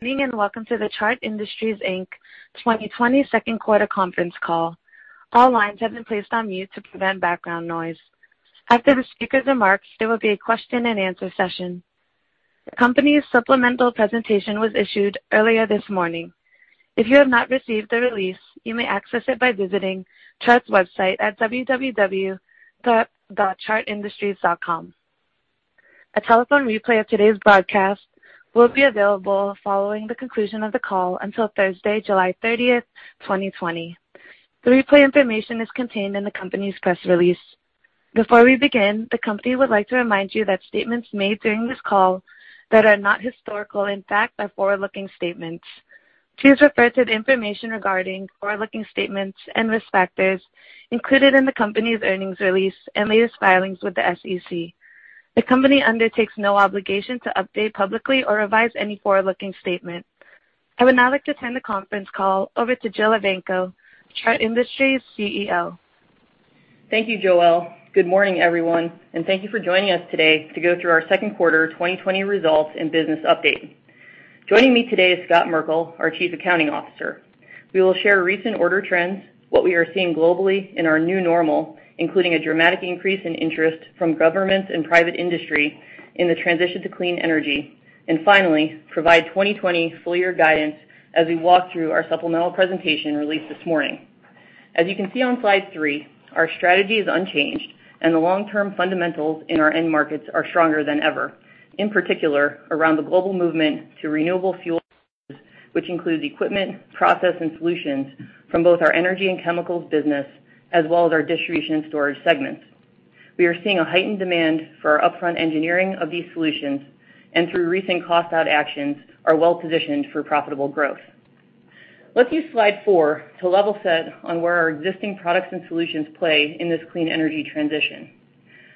Greeting and welcome to the Chart Industries, Inc. 2020 second quarter conference call. All lines have been placed on mute to prevent background noise. After the speakers are marked, there will be a question and answer session. The company's supplemental presentation was issued earlier this morning. If you have not received the release, you may access it by visiting Chart's website at www.chartindustries.com. A telephone replay of today's broadcast will be available following the conclusion of the call until Thursday, July 30th, 2020. The replay information is contained in the company's press release. Before we begin, the company would like to remind you that statements made during this call that are not historical facts are forward-looking statements. Please refer to the information regarding forward-looking statements and risk factors included in the company's earnings release and latest filings with the SEC. The company undertakes no obligation to update publicly or revise any forward-looking statement. I would now like to turn the conference call over to Jill Evanko, Chart Industries CEO. Thank you, Joelle. Good morning, everyone, and thank you for joining us today to go through our second quarter 2020 results and business update. Joining me today is Scott Merkle, our Chief Accounting Officer. We will share recent order trends, what we are seeing globally in our new normal, including a dramatic increase in interest from governments and private industry in the transition to clean energy, and finally, provide 2020 full-year guidance as we walk through our supplemental presentation released this morning. As you can see on slide three, our strategy is unchanged, and the long-term fundamentals in our end markets are stronger than ever, in particular around the global movement to renewable fuels, which includes equipment, process, and solutions from both our energy and chemicals business, as well as our distribution and storage segments. We are seeing a heightened demand for our upfront engineering of these solutions, and through recent cost-out actions, are well-positioned for profitable growth. Let's use slide four to level set on where our existing products and solutions play in this clean energy transition.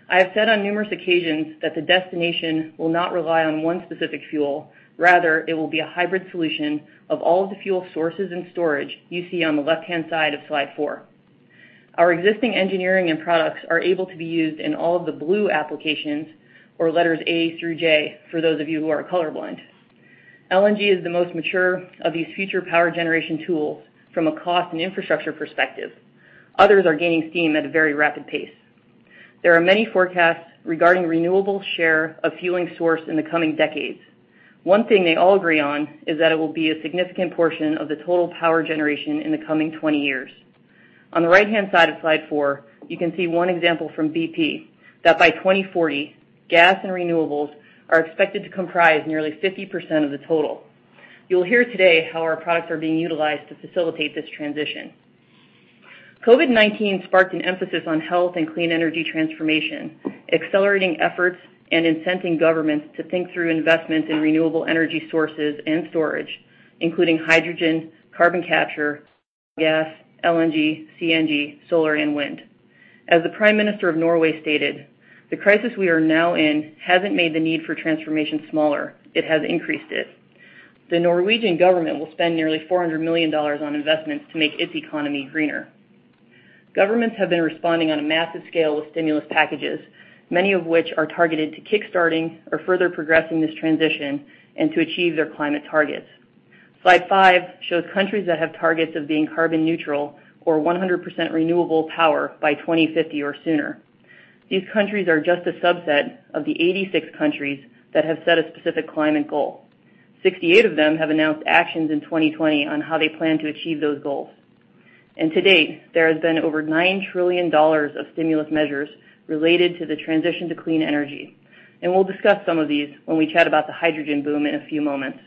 I have said on numerous occasions that the destination will not rely on one specific fuel; rather, it will be a hybrid solution of all of the fuel sources and storage you see on the left-hand side of slide four. Our existing engineering and products are able to be used in all of the blue applications, or letters A through J, for those of you who are colorblind. LNG is the most mature of these future power generation tools from a cost and infrastructure perspective. Others are gaining steam at a very rapid pace. There are many forecasts regarding renewables' share of fueling source in the coming decades. One thing they all agree on is that it will be a significant portion of the total power generation in the coming 20 years. On the right-hand side of slide four, you can see one example from BP that by 2040, gas and renewables are expected to comprise nearly 50% of the total. You'll hear today how our products are being utilized to facilitate this transition. COVID-19 sparked an emphasis on health and clean energy transformation, accelerating efforts and incenting governments to think through investments in renewable energy sources and storage, including hydrogen, carbon capture, gas, LNG, CNG, solar, and wind. As the Prime Minister of Norway stated, "The crisis we are now in hasn't made the need for transformation smaller, it has increased it." The Norwegian government will spend nearly $400 million on investments to make its economy greener. Governments have been responding on a massive scale with stimulus packages, many of which are targeted to kickstarting or further progressing this transition and to achieve their climate targets. Slide five shows countries that have targets of being carbon neutral or 100% renewable power by 2050 or sooner. These countries are just a subset of the 86 countries that have set a specific climate goal. 68 of them have announced actions in 2020 on how they plan to achieve those goals. To date, there has been over $9 trillion of stimulus measures related to the transition to clean energy, and we'll discuss some of these when we chat about the hydrogen boom in a few moments.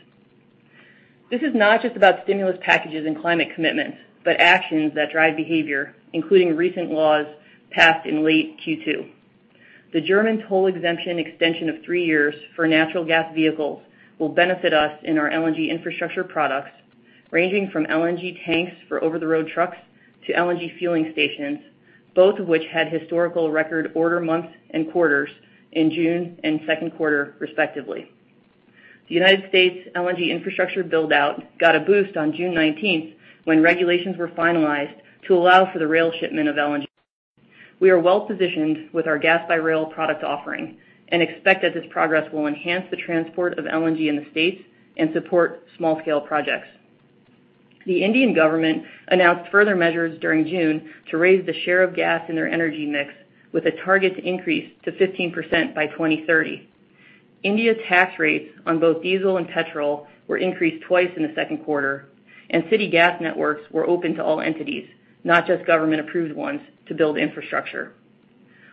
This is not just about stimulus packages and climate commitments, but actions that drive behavior, including recent laws passed in late Q2. The German toll exemption extension of three years for natural gas vehicles will benefit us in our LNG infrastructure products, ranging from LNG tanks for over-the-road trucks to LNG fueling stations, both of which had historical record order months and quarters in June and second quarter, respectively. The United States' LNG infrastructure build-out got a boost on June 19th when regulations were finalized to allow for the rail shipment of LNG. We are well-positioned with our gas-by-rail product offering and expect that this progress will enhance the transport of LNG in the states and support small-scale projects. The Indian government announced further measures during June to raise the share of gas in their energy mix, with a target to increase to 15% by 2030. India's tax rates on both diesel and petrol were increased twice in the second quarter, and city gas networks were open to all entities, not just government-approved ones, to build infrastructure.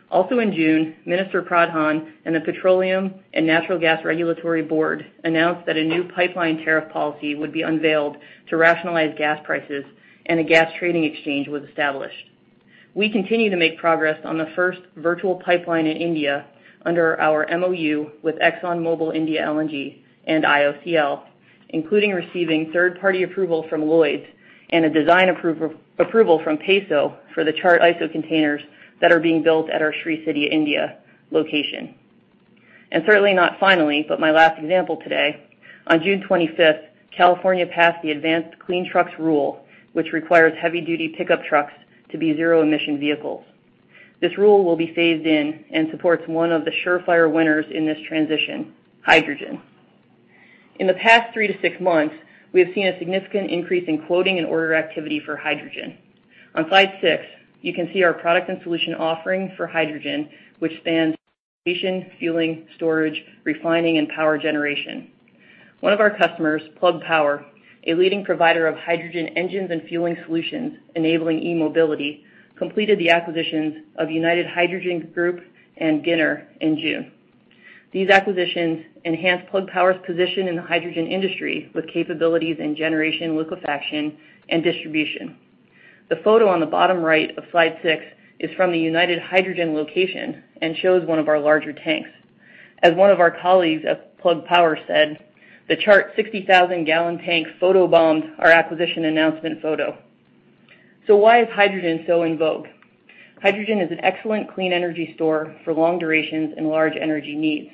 Also in June, Minister Pradhan and the Petroleum and Natural Gas Regulatory Board announced that a new pipeline tariff policy would be unveiled to rationalize gas prices, and a gas trading exchange was established. We continue to make progress on the first virtual pipeline in India under our MOU with ExxonMobil India LNG and IOCL, including receiving third-party approval from Lloyd's and a design approval from PESO for the Chart ISO containers that are being built at our Sri City India location. And certainly not finally, but my last example today, on June 25th, California passed the Advanced Clean Trucks rule, which requires heavy-duty pickup trucks to be zero-emission vehicles. This rule will be phased in and supports one of the surefire winners in this transition: hydrogen. In the past three to six months, we have seen a significant increase in quoting and order activity for hydrogen. On slide six, you can see our product and solution offering for hydrogen, which spans fueling, storage, refining, and power generation. One of our customers, Plug Power, a leading provider of hydrogen engines and fueling solutions enabling e-mobility, completed the acquisitions of United Hydrogen Group and Giner in June. These acquisitions enhanced Plug Power's position in the hydrogen industry with capabilities in generation, liquefaction, and distribution. The photo on the bottom right of slide six is from the United Hydrogen location and shows one of our larger tanks. As one of our colleagues at Plug Power said, "The Chart 60,000-gallon tank photobombed our acquisition announcement photo." So why is hydrogen so in vogue? Hydrogen is an excellent clean energy store for long durations and large energy needs.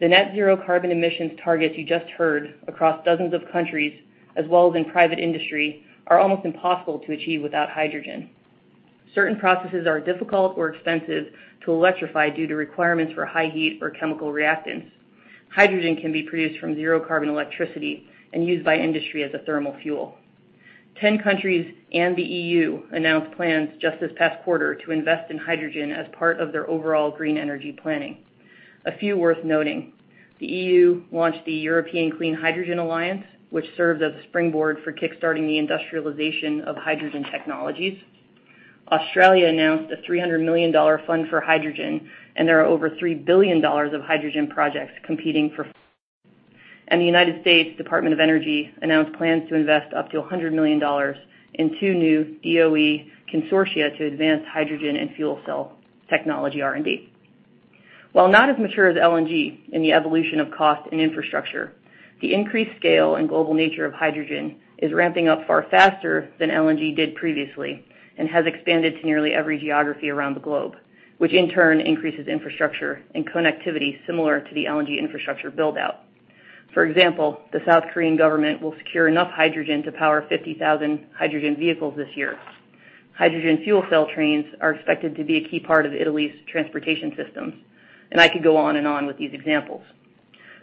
The net-zero carbon emissions targets you just heard across dozens of countries, as well as in private industry, are almost impossible to achieve without hydrogen. Certain processes are difficult or expensive to electrify due to requirements for high heat or chemical reactants. Hydrogen can be produced from zero-carbon electricity and used by industry as a thermal fuel. Ten countries and the EU announced plans just this past quarter to invest in hydrogen as part of their overall green energy planning. A few worth noting: the EU launched the European Clean Hydrogen Alliance, which serves as a springboard for kickstarting the industrialization of hydrogen technologies. Australia announced a $300 million fund for hydrogen, and there are over $3 billion of hydrogen projects competing for funding. And the United States Department of Energy announced plans to invest up to $100 million in two new DOE consortia to advance hydrogen and fuel cell technology R&D. While not as mature as LNG in the evolution of cost and infrastructure, the increased scale and global nature of hydrogen is ramping up far faster than LNG did previously and has expanded to nearly every geography around the globe, which in turn increases infrastructure and connectivity similar to the LNG infrastructure build-out. For example, the South Korean government will secure enough hydrogen to power 50,000 hydrogen vehicles this year. Hydrogen fuel cell trains are expected to be a key part of Italy's transportation systems, and I could go on and on with these examples.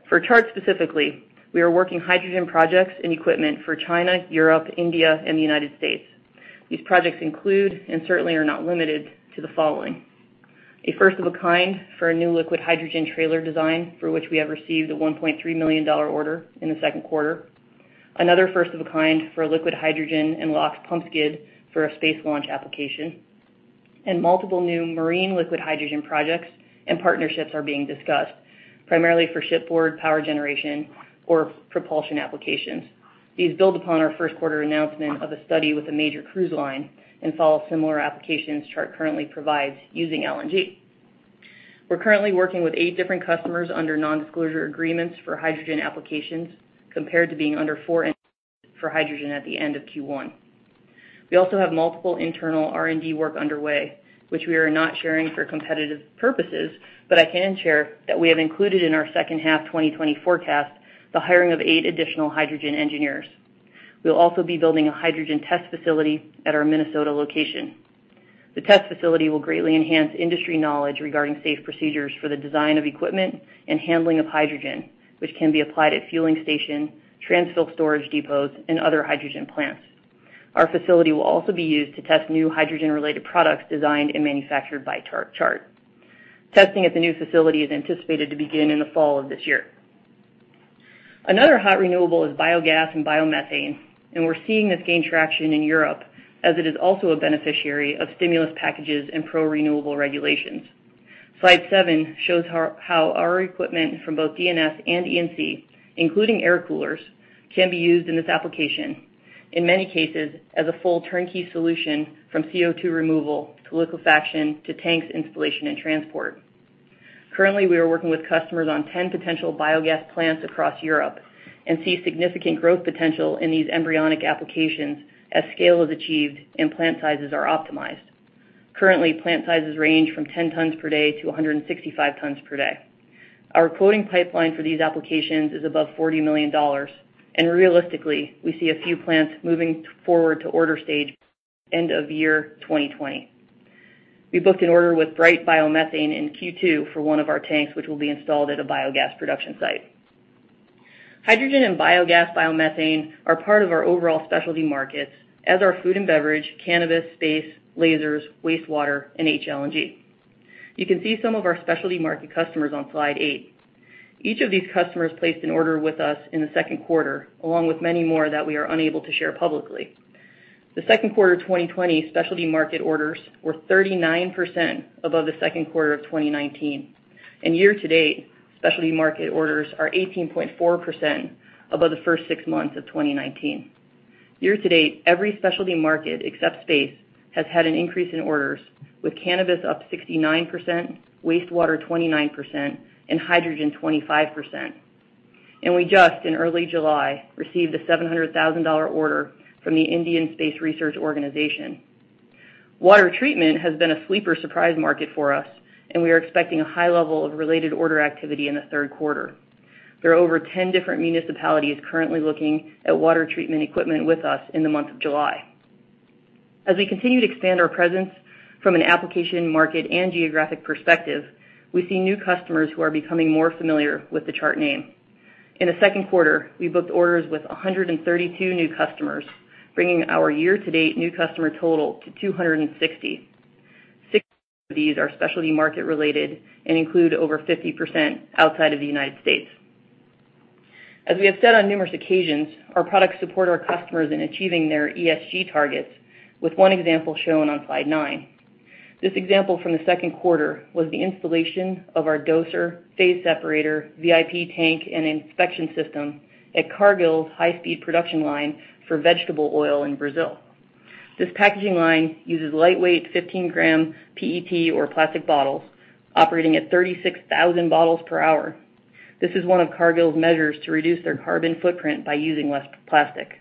For Chart specifically, we are working hydrogen projects and equipment for China, Europe, India, and the United States. These projects include and certainly are not limited to the following: a first-of-a-kind for a new liquid hydrogen trailer design for which we have received a $1.3 million order in the second quarter. Another first-of-a-kind for a liquid hydrogen and LOX pump skid for a space launch application. And multiple new marine liquid hydrogen projects and partnerships are being discussed, primarily for shipboard power generation or propulsion applications. These build upon our first quarter announcement of a study with a major cruise line and follow similar applications Chart currently provides using LNG. We're currently working with eight different customers under non-disclosure agreements for hydrogen applications, compared to being under four for hydrogen at the end of Q1. We also have multiple internal R&D work underway, which we are not sharing for competitive purposes, but I can share that we have included in our second half 2020 forecast the hiring of eight additional hydrogen engineers. We'll also be building a hydrogen test facility at our Minnesota location. The test facility will greatly enhance industry knowledge regarding safe procedures for the design of equipment and handling of hydrogen, which can be applied at fueling stations, transfill storage depots, and other hydrogen plants. Our facility will also be used to test new hydrogen-related products designed and manufactured by Chart. Testing at the new facility is anticipated to begin in the fall of this year. Another hot renewable is biogas and biomethane, and we're seeing this gain traction in Europe as it is also a beneficiary of stimulus packages and pro-renewable regulations. Slide seven shows how our equipment from both D&S and E&C, including air coolers, can be used in this application, in many cases as a full turnkey solution from CO2 removal to liquefaction to tanks installation and transport. Currently, we are working with customers on 10 potential biogas plants across Europe and see significant growth potential in these embryonic applications as scale is achieved and plant sizes are optimized. Currently, plant sizes range from 10 tons per day to 165 tons per day. Our quoting pipeline for these applications is above $40 million, and realistically, we see a few plants moving forward to order stage by the end of year 2020. We booked an order with Bright Biomethane in Q2 for one of our tanks, which will be installed at a biogas production site. Hydrogen and biogas biomethane are part of our overall specialty markets as our food and beverage, cannabis, space, lasers, wastewater, and LNG. You can see some of our specialty market customers on slide eight. Each of these customers placed an order with us in the second quarter, along with many more that we are unable to share publicly. The second quarter 2020 specialty market orders were 39% above the second quarter of 2019, and year-to-date, specialty market orders are 18.4% above the first six months of 2019. Year-to-date, every specialty market, except space, has had an increase in orders, with cannabis up 69%, wastewater 29%, and hydrogen 25%, and we just, in early July, received a $700,000 order from the Indian Space Research Organization. Water treatment has been a sleeper surprise market for us, and we are expecting a high level of related order activity in the third quarter. There are over 10 different municipalities currently looking at water treatment equipment with us in the month of July. As we continue to expand our presence from an application market and geographic perspective, we see new customers who are becoming more familiar with the Chart name. In the second quarter, we booked orders with 132 new customers, bringing our year-to-date new customer total to 260. 60 of these are specialty market-related and include over 50% outside of the United States. As we have said on numerous occasions, our products support our customers in achieving their ESG targets, with one example shown on slide nine. This example from the second quarter was the installation of our doser, phase separator, VIP tank, and inspection system at Cargill's high-speed production line for vegetable oil in Brazil. This packaging line uses lightweight 15-gram PET or plastic bottles, operating at 36,000 bottles per hour. This is one of Cargill's measures to reduce their carbon footprint by using less plastic.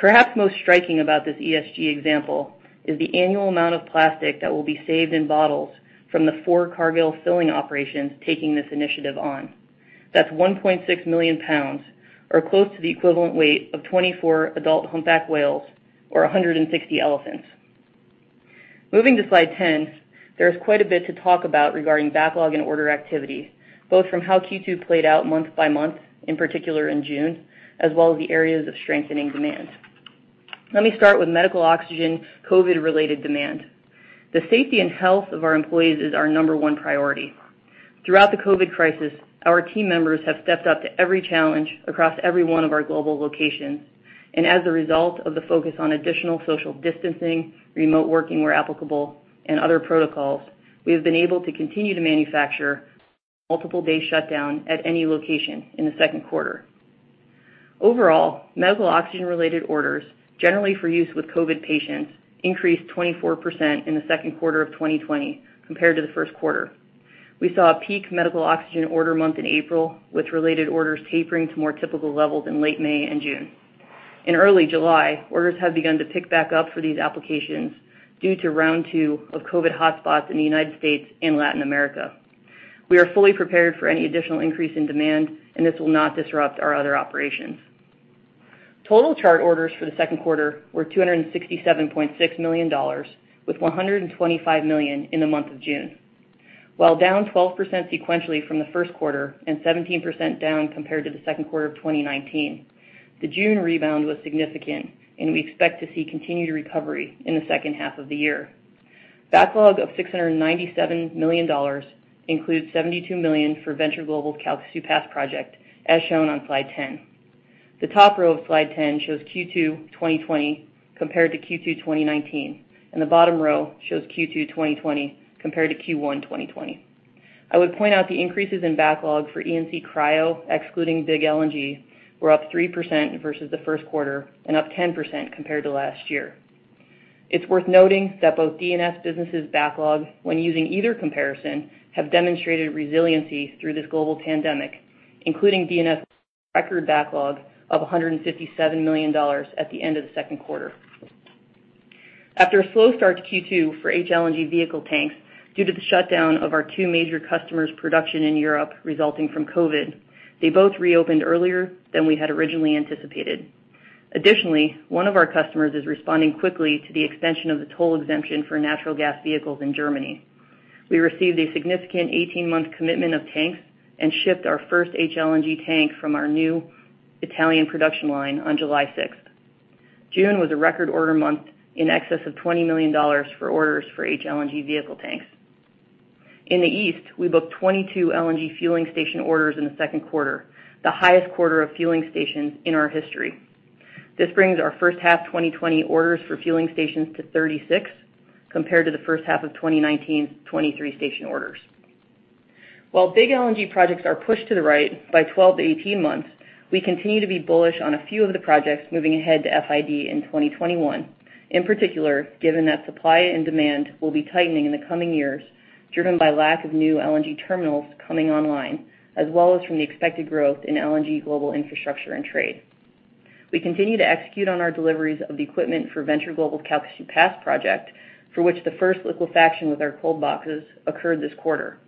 Perhaps most striking about this ESG example is the annual amount of plastic that will be saved in bottles from the four Cargill filling operations taking this initiative on. That's 1.6 million pounds, or close to the equivalent weight of 24 adult humpback whales or 160 elephants. Moving to slide 10, there is quite a bit to talk about regarding backlog and order activity, both from how Q2 played out month by month, in particular in June, as well as the areas of strengthening demand. Let me start with medical oxygen COVID-related demand. The safety and health of our employees is our number one priority. Throughout the COVID crisis, our team members have stepped up to every challenge across every one of our global locations, and as a result of the focus on additional social distancing, remote working where applicable, and other protocols, we have been able to continue to manufacture without multiple-day shutdowns at any location in the second quarter. Overall, medical oxygen-related orders, generally for use with COVID patients, increased 24% in the second quarter of 2020 compared to the first quarter. We saw a peak medical oxygen order month in April, with related orders tapering to more typical levels in late May and June. In early July, orders have begun to pick back up for these applications due to round two of COVID hotspots in the United States and Latin America. We are fully prepared for any additional increase in demand, and this will not disrupt our other operations. Total Chart orders for the second quarter were $267.6 million, with $125 million in the month of June. While down 12% sequentially from the first quarter and 17% down compared to the second quarter of 2019, the June rebound was significant, and we expect to see continued recovery in the second half of the year. Backlog of $697 million includes $72 million for Venture Global's Calcasieu Pass project, as shown on slide 10. The top row of slide 10 shows Q2 2020 compared to Q2 2019, and the bottom row shows Q2 2020 compared to Q1 2020. I would point out the increases in backlog for E&C Cryo, excluding big LNG, were up 3% versus the first quarter and up 10% compared to last year. It's worth noting that both D&S businesses' backlog when using either comparison have demonstrated resiliency through this global pandemic, including D&S record backlog of $157 million at the end of the second quarter. After a slow start to Q2 for LNG vehicle tanks due to the shutdown of our two major customers' production in Europe resulting from COVID, they both reopened earlier than we had originally anticipated. Additionally, one of our customers is responding quickly to the extension of the toll exemption for natural gas vehicles in Germany. We received a significant 18-month commitment of tanks and shipped our first LNG tank from our new Italian production line on July 6th. June was a record order month in excess of $20 million for orders for LNG vehicle tanks. In the east, we booked 22 LNG fueling station orders in the second quarter, the highest quarter of fueling stations in our history. This brings our first half 2020 orders for fueling stations to 36, compared to the first half of 2019's 23 station orders. While big LNG projects are pushed to the right by 12 to 18 months, we continue to be bullish on a few of the projects moving ahead to FID in 2021, in particular given that supply and demand will be tightening in the coming years, driven by lack of new LNG terminals coming online, as well as from the expected growth in LNG global infrastructure and trade. We continue to execute on our deliveries of the equipment for Venture Global's Calcasieu Pass project, for which the first liquefaction with our cold boxes occurred this quarter.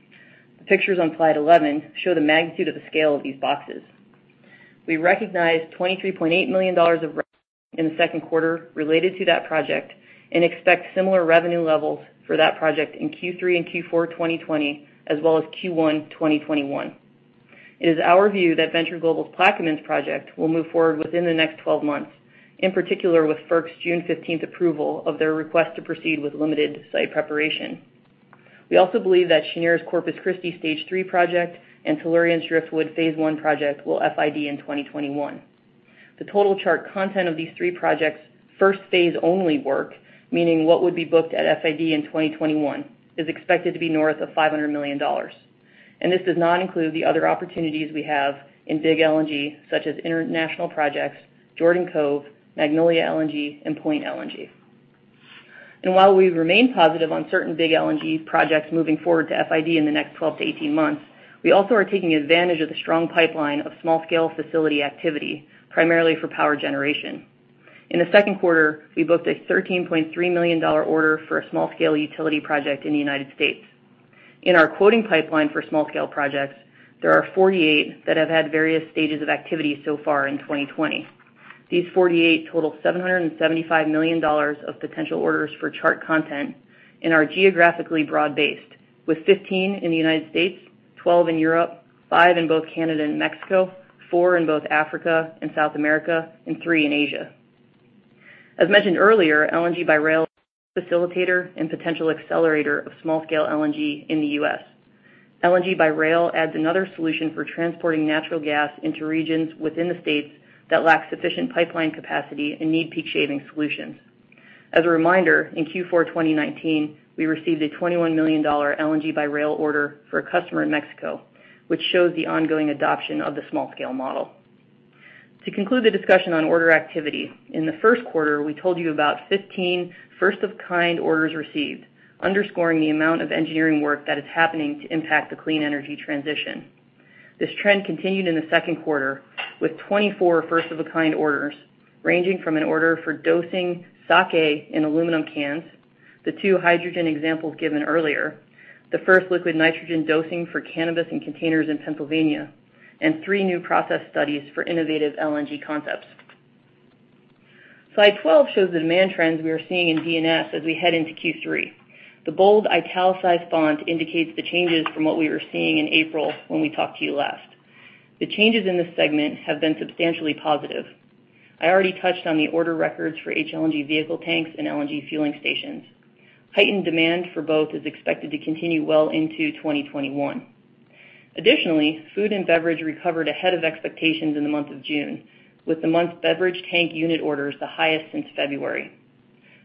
The pictures on slide 11 show the magnitude of the scale of these boxes. We recognize $23.8 million of revenue in the second quarter related to that project and expect similar revenue levels for that project in Q3 and Q4 2020, as well as Q1 2021. It is our view that Venture Global's Plaquemines project will move forward within the next 12 months, in particular with FERC's June 15th approval of their request to proceed with limited site preparation. We also believe that Cheniere's Corpus Christi Stage 3 project and Tellurian's Driftwood Phase 1 project will FID in 2021. The total Chart content of these three projects' first phase-only work, meaning what would be booked at FID in 2021, is expected to be north of $500 million. And this does not include the other opportunities we have in big LNG, such as International Projects, Jordan Cove, Magnolia LNG, and Pointe LNG. And while we remain positive on certain big LNG projects moving forward to FID in the next 12-18 months, we also are taking advantage of the strong pipeline of small-scale facility activity, primarily for power generation. In the second quarter, we booked a $13.3 million order for a small-scale utility project in the United States. In our quoting pipeline for small-scale projects, there are 48 that have had various stages of activity so far in 2020. These 48 total $775 million of potential orders for Chart content and are geographically broad-based, with 15 in the United States, 12 in Europe, 5 in both Canada and Mexico, 4 in both Africa and South America, and 3 in Asia. As mentioned earlier, LNG by Rail is a facilitator and potential accelerator of small-scale LNG in the U.S. LNG by Rail adds another solution for transporting natural gas into regions within the states that lack sufficient pipeline capacity and need peak shaving solutions. As a reminder, in Q4 2019, we received a $21 million LNG by Rail order for a customer in Mexico, which shows the ongoing adoption of the small-scale model. To conclude the discussion on order activity, in the first quarter, we told you about 15 first-of-a-kind orders received, underscoring the amount of engineering work that is happening to impact the clean energy transition. This trend continued in the second quarter with 24 first-of-a-kind orders ranging from an order for dosing sake in aluminum cans, the two hydrogen examples given earlier, the first liquid nitrogen dosing for cannabis in containers in Pennsylvania, and three new process studies for innovative LNG concepts. Slide 12 shows the demand trends we are seeing in D&S as we head into Q3. The bold italicized font indicates the changes from what we were seeing in April when we talked to you last. The changes in this segment have been substantially positive. I already touched on the order records for LNG vehicle tanks and LNG fueling stations. Heightened demand for both is expected to continue well into 2021. Additionally, food and beverage recovered ahead of expectations in the month of June, with the month's beverage tank unit orders the highest since February.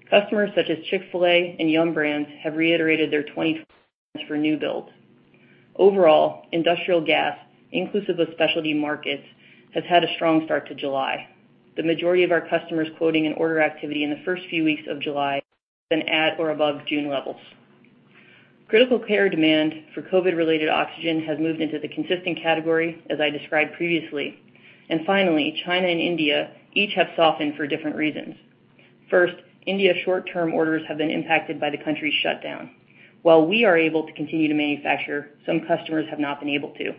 Customers such as Chick-fil-A and Yum! Brands have reiterated their 2020 plans for new builds. Overall, industrial gas, inclusive of specialty markets, has had a strong start to July. The majority of our customers quoting an order activity in the first few weeks of July has been at or above June levels. Critical care demand for COVID-related oxygen has moved into the consistent category, as I described previously. China and India each have softened for different reasons. First, India's short-term orders have been impacted by the country's shutdown. While we are able to continue to manufacture, some customers have not been able to.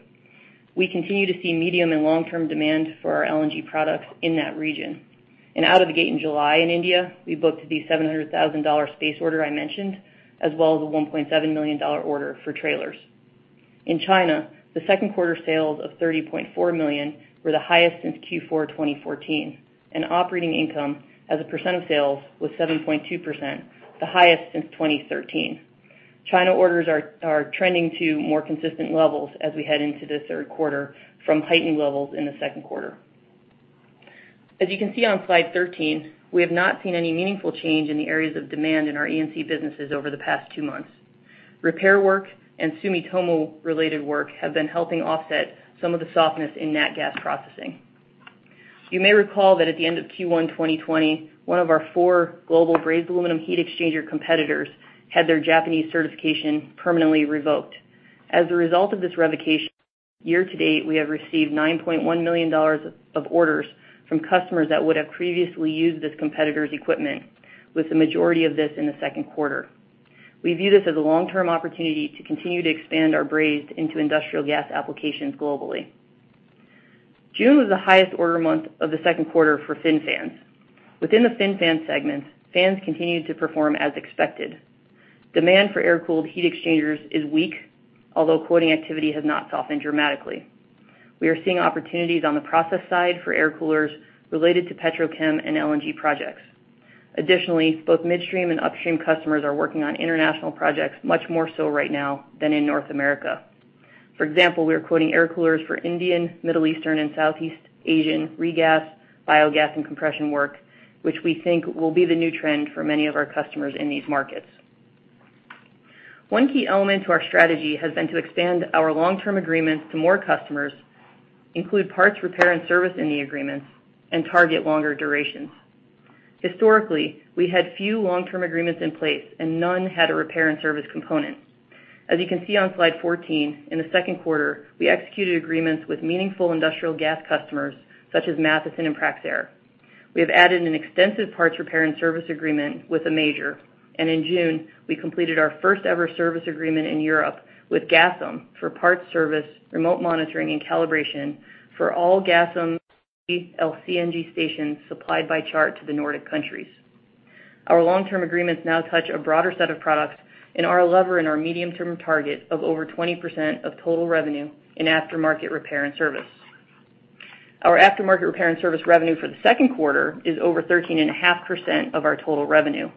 We continue to see medium and long-term demand for our LNG products in that region. Out of the gate in July in India, we booked the $700,000 ISRO order I mentioned, as well as a $1.7 million order for trailers. In China, the second quarter sales of $30.4 million were the highest since Q4 2014, and operating income as a percent of sales was 7.2%, the highest since 2013. China orders are trending to more consistent levels as we head into the third quarter from heightened levels in the second quarter. As you can see on slide 13, we have not seen any meaningful change in the areas of demand in our E&C businesses over the past two months. Repair work and Sumitomo-related work have been helping offset some of the softness in nat gas processing. You may recall that at the end of Q1 2020, one of our four global brazed aluminum heat exchanger competitors had their Japanese certification permanently revoked. As a result of this revocation, year-to-date, we have received $9.1 million of orders from customers that would have previously used this competitor's equipment, with the majority of this in the second quarter. We view this as a long-term opportunity to continue to expand our brazed into industrial gas applications globally. June was the highest order month of the second quarter for FinFans. Within the FinFans segment, fans continued to perform as expected. Demand for air-cooled heat exchangers is weak, although quoting activity has not softened dramatically. We are seeing opportunities on the process side for air coolers related to Petrochem and LNG projects. Additionally, both midstream and upstream customers are working on international projects, much more so right now than in North America. For example, we are quoting air coolers for Indian, Middle Eastern, and Southeast Asian regas, biogas, and compression work, which we think will be the new trend for many of our customers in these markets. One key element to our strategy has been to expand our long-term agreements to more customers, include parts, repair, and service in the agreements, and target longer durations. Historically, we had few long-term agreements in place, and none had a repair and service component. As you can see on slide 14, in the second quarter, we executed agreements with meaningful industrial gas customers such as Matheson and Praxair. We have added an extensive parts, repair, and service agreement with a major, and in June, we completed our first-ever service agreement in Europe with Gasum for parts, service, remote monitoring, and calibration for all Gasum LCNG stations supplied by Chart to the Nordic countries. Our long-term agreements now touch a broader set of products and are a lever in our medium-term target of over 20% of total revenue in aftermarket repair and service. Our aftermarket repair and service revenue for the second quarter is over 13.5% of our total revenue.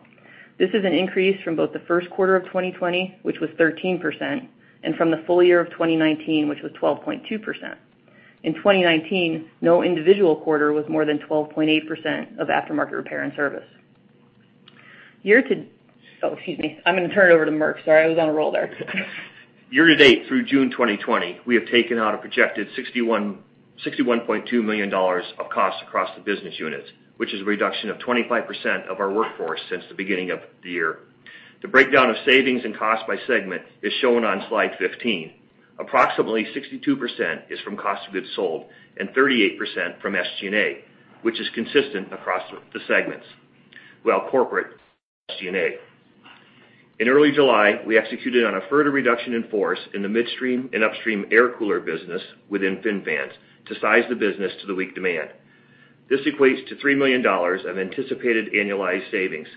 This is an increase from both the first quarter of 2020, which was 13%, and from the full year of 2019, which was 12.2%. In 2019, no individual quarter was more than 12.8% of aftermarket repair and service. Oh, excuse me. I'm going to turn it over to Merkle. Sorry, I was on a roll there. Year-to-date through June 2020, we have taken out a projected $61.2 million of costs across the business units, which is a reduction of 25% of our workforce since the beginning of the year. The breakdown of savings and costs by segment is shown on slide 15. Approximately 62% is from Cost of Goods Sold and 38% from SG&A, which is consistent across the segments, while corporate SG&A. In early July, we executed on a further reduction in force in the midstream and upstream air cooler business within FinFans to size the business to the weak demand. This equates to $3 million of anticipated annualized savings.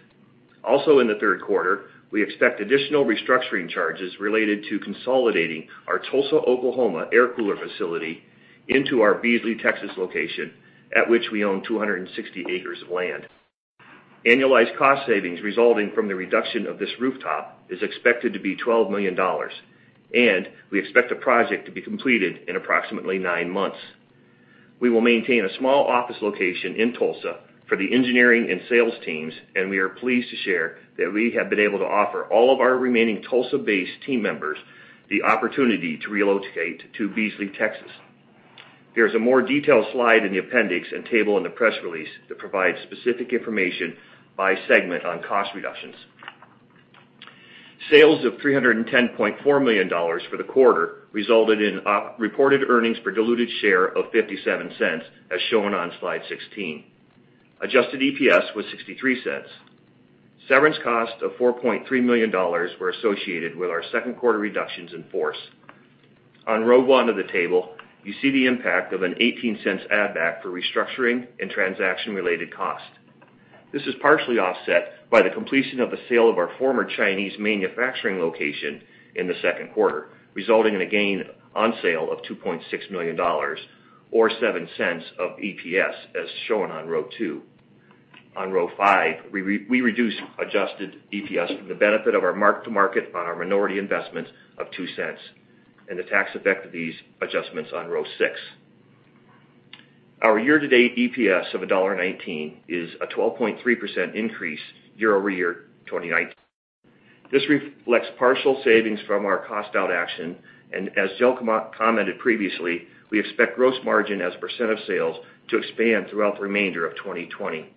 Also in the third quarter, we expect additional restructuring charges related to consolidating our Tulsa, Oklahoma air cooler facility into our Beasley, Texas location, at which we own 260 acres of land. Annualized cost savings resulting from the reduction of this footprint is expected to be $12 million, and we expect the project to be completed in approximately nine months. We will maintain a small office location in Tulsa for the engineering and sales teams, and we are pleased to share that we have been able to offer all of our remaining Tulsa-based team members the opportunity to relocate to Beasley, Texas. There is a more detailed slide in the appendix and table in the press release that provides specific information by segment on cost reductions. Sales of $310.4 million for the quarter resulted in reported earnings per diluted share of $0.57, as shown on slide 16. Adjusted EPS was $0.63. Severance costs of $4.3 million were associated with our second quarter reductions in force. On row one of the table, you see the impact of a $0.18 add-back for restructuring and transaction-related cost. This is partially offset by the completion of the sale of our former Chinese manufacturing location in the second quarter, resulting in a gain on sale of $2.6 million, or $0.07 of EPS, as shown on row two. On row five, we reduced adjusted EPS from the benefit of our mark-to-market on our minority investments of $0.02 and the tax-effectiveness adjustments on row six. Our year-to-date EPS of $1.19 is a 12.3% increase year-over-year 2019. This reflects partial savings from our cost-out action, and as Jill commented previously, we expect gross margin as a percent of sales to expand throughout the remainder of 2020.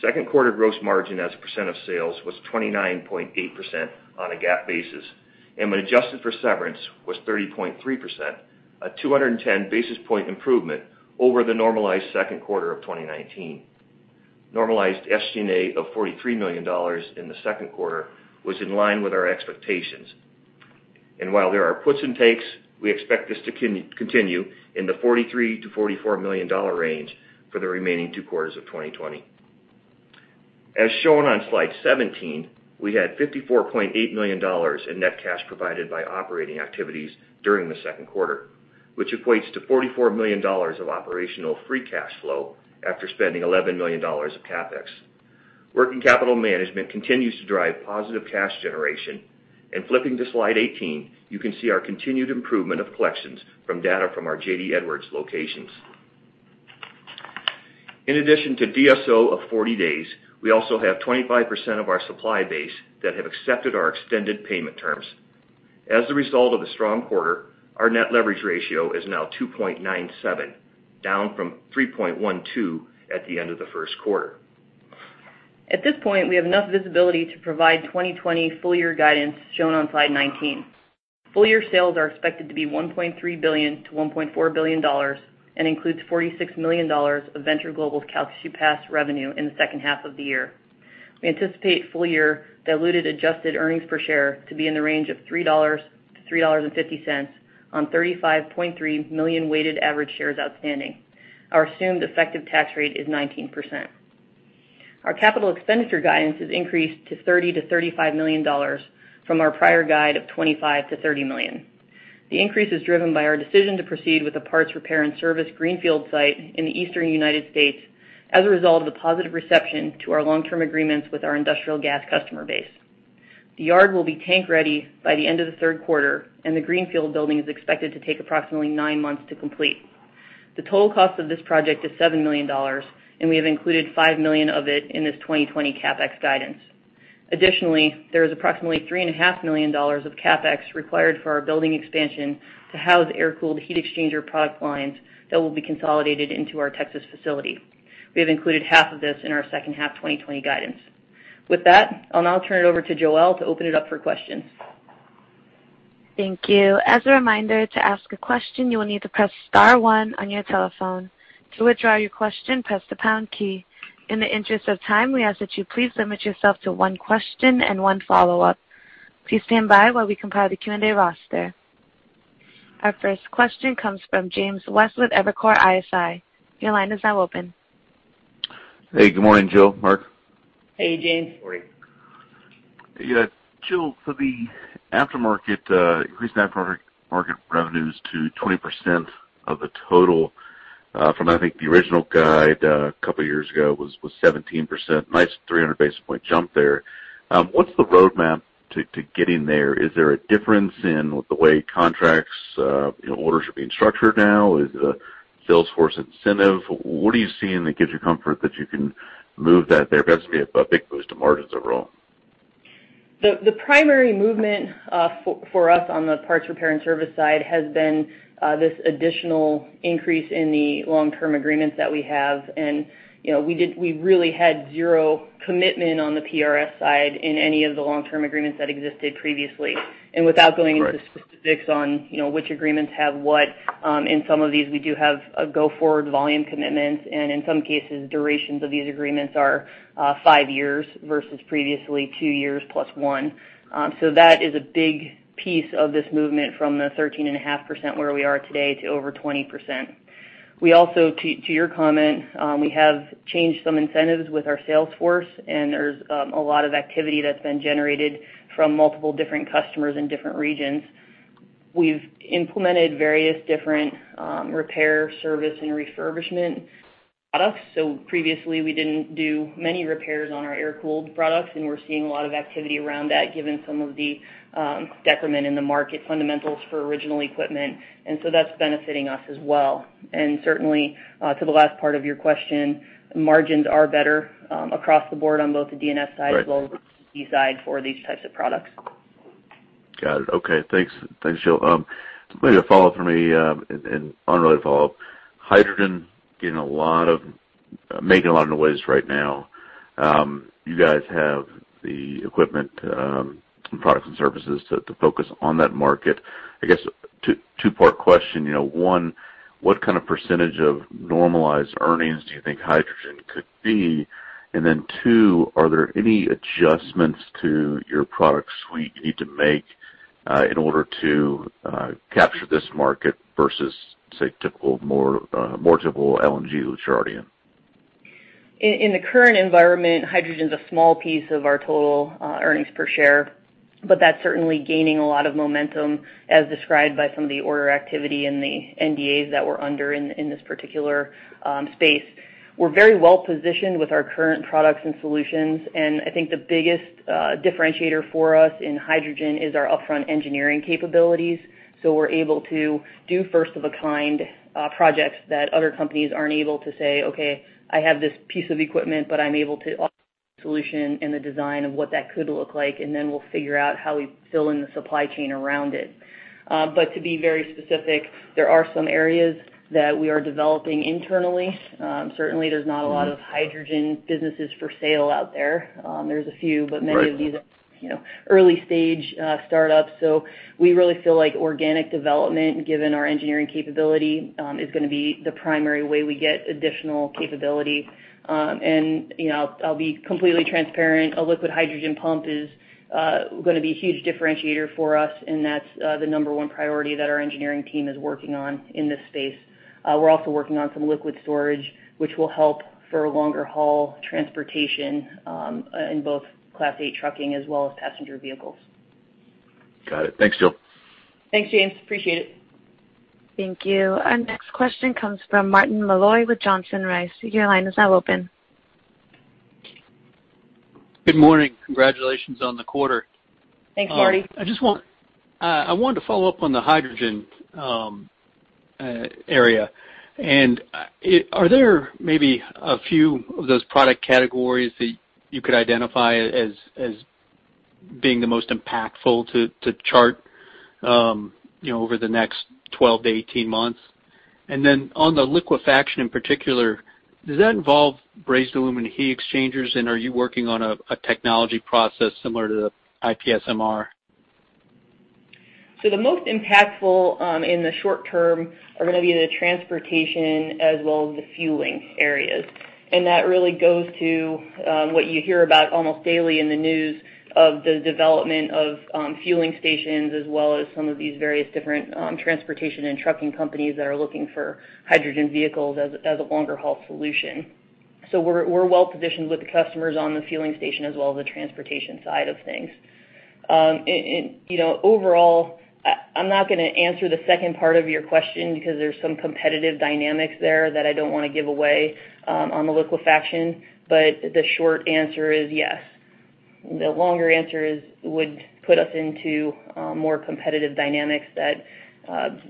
Second quarter gross margin as a percent of sales was 29.8% on a GAAP basis, and when adjusted for severance was 30.3%, a 210 basis point improvement over the normalized second quarter of 2019. Normalized SG&A of $43 million in the second quarter was in line with our expectations. And while there are puts and takes, we expect this to continue in the $43-$44 million range for the remaining two quarters of 2020. As shown on slide 17, we had $54.8 million in net cash provided by operating activities during the second quarter, which equates to $44 million of operational free cash flow after spending $11 million of CapEx. Working capital management continues to drive positive cash generation. And flipping to slide 18, you can see our continued improvement of collections from data from our J.D. Edwards locations. In addition to DSO of 40 days, we also have 25% of our supply base that have accepted our extended payment terms. As a result of the strong quarter, our net leverage ratio is now 2.97, down from 3.12 at the end of the first quarter. At this point, we have enough visibility to provide 2020 full-year guidance shown on slide 19. Full-year sales are expected to be $1.3 billion-$1.4 billion and include $46 million of Venture Global's Calcasieu Pass revenue in the second half of the year. We anticipate full-year diluted adjusted earnings per share to be in the range of $3-$3.50 on 35.3 million weighted average shares outstanding. Our assumed effective tax rate is 19%. Our capital expenditure guidance is increased to $30-$35 million from our prior guide of $25-$30 million. The increase is driven by our decision to proceed with a parts, repair, and service greenfield site in the Eastern United States as a result of the positive reception to our long-term agreements with our industrial gas customer base. The yard will be tank-ready by the end of the third quarter, and the greenfield building is expected to take approximately nine months to complete. The total cost of this project is $7 million, and we have included $5 million of it in this 2020 CapEx guidance. Additionally, there is approximately $3.5 million of CapEx required for our building expansion to house air-cooled heat exchanger product lines that will be consolidated into our Texas facility. We have included half of this in our second half 2020 guidance. With that, I'll now turn it over to Joelle to open it up for questions. Thank you. As a reminder, to ask a question, you will need to press star one on your telephone. To withdraw your question, press the pound key. In the interest of time, we ask that you please limit yourself to one question and one follow-up. Please stand by while we compile the Q&A roster. Our first question comes from James West with Evercore ISI. Your line is now open. Hey, good morning, Jill, Merkle. Hey, James. Morning. Yeah, Jill, for the aftermarket, increase in aftermarket revenues to 20% of the total from, I think, the original guide a couple of years ago was 17%. Nice 300 basis points jump there. What's the roadmap to getting there? Is there a difference in the way contracts, orders are being structured now? Is it a Salesforce incentive? What are you seeing that gives you comfort that you can move that there? It's going to be a big boost to margins overall. The primary movement for us on the parts, repair, and service side has been this additional increase in the long-term agreements that we have. And we really had zero commitment on the PRS side in any of the long-term agreements that existed previously. And without going into specifics on which agreements have what, in some of these, we do have a go-forward volume commitment. And in some cases, durations of these agreements are five years versus previously two years plus one. So that is a big piece of this movement from the 13.5% where we are today to over 20%. We also, to your comment, we have changed some incentives with our sales force, and there's a lot of activity that's been generated from multiple different customers in different regions. We've implemented various different repair, service, and refurbishment products. So, previously, we didn't do many repairs on our air-cooled products, and we're seeing a lot of activity around that given some of the decrement in the market fundamentals for original equipment. And so that's benefiting us as well. And certainly, to the last part of your question, margins are better across the board on both the D&S side as well as the CD side for these types of products. Got it. Okay. Thanks, Jill. Maybe a follow-up for me, an unrelated follow-up. Hydrogen getting a lot, making a lot of noise right now. You guys have the equipment, products, and services to focus on that market. I guess two-part question. One, what kind of percentage of normalized earnings do you think hydrogen could be? Then two, are there any adjustments to your product suite you need to make in order to capture this market versus, say, more typical LNG, which you're already in? In the current environment, hydrogen is a small piece of our total earnings per share, but that's certainly gaining a lot of momentum as described by some of the order activity in the NDAs that we're under in this particular space. We're very well positioned with our current products and solutions, and I think the biggest differentiator for us in hydrogen is our upfront engineering capabilities. So we're able to do first-of-a-kind projects that other companies aren't able to say, "Okay, I have this piece of equipment, but I'm able to offer a solution and the design of what that could look like," and then we'll figure out how we fill in the supply chain around it. But to be very specific, there are some areas that we are developing internally. Certainly, there's not a lot of hydrogen businesses for sale out there. There's a few, but many of these are early-stage startups. So we really feel like organic development, given our engineering capability, is going to be the primary way we get additional capability. And I'll be completely transparent. A liquid hydrogen pump is going to be a huge differentiator for us, and that's the number one priority that our engineering team is working on in this space. We're also working on some liquid storage, which will help for longer-haul transportation in both Class 8 trucking as well as passenger vehicles. Got it. Thanks, Jill. Thanks, James. Appreciate it. Thank you. Our next question comes from Martin Malloy with Johnson Rice. Your line is now open. Good morning. Congratulations on the quarter. Thanks, Marty. I wanted to follow up on the hydrogen area. And are there maybe a few of those product categories that you could identify as being the most impactful to Chart over the next 12-18 months? And then on the liquefaction in particular, does that involve brazed aluminum heat exchangers, and are you working on a technology process similar to the IPSMR? So the most impactful in the short term are going to be the transportation as well as the fueling areas. And that really goes to what you hear about almost daily in the news of the development of fueling stations as well as some of these various different transportation and trucking companies that are looking for hydrogen vehicles as a longer-haul solution. So we're well positioned with the customers on the fueling station as well as the transportation side of things. Overall, I'm not going to answer the second part of your question because there's some competitive dynamics there that I don't want to give away on the liquefaction, but the short answer is yes. The longer answer would put us into more competitive dynamics that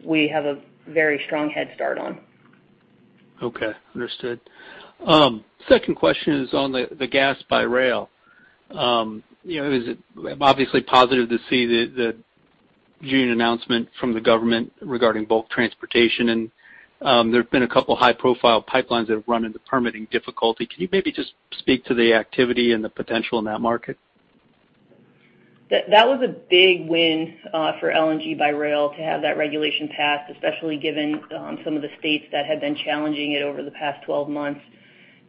we have a very strong head start on. Okay. Understood. Second question is on the gas by rail. It was obviously positive to see the June announcement from the government regarding bulk transportation, and there have been a couple of high-profile pipelines that have run into permitting difficulty. Can you maybe just speak to the activity and the potential in that market? That was a big win for LNG by rail to have that regulation passed, especially given some of the states that have been challenging it over the past 12 months.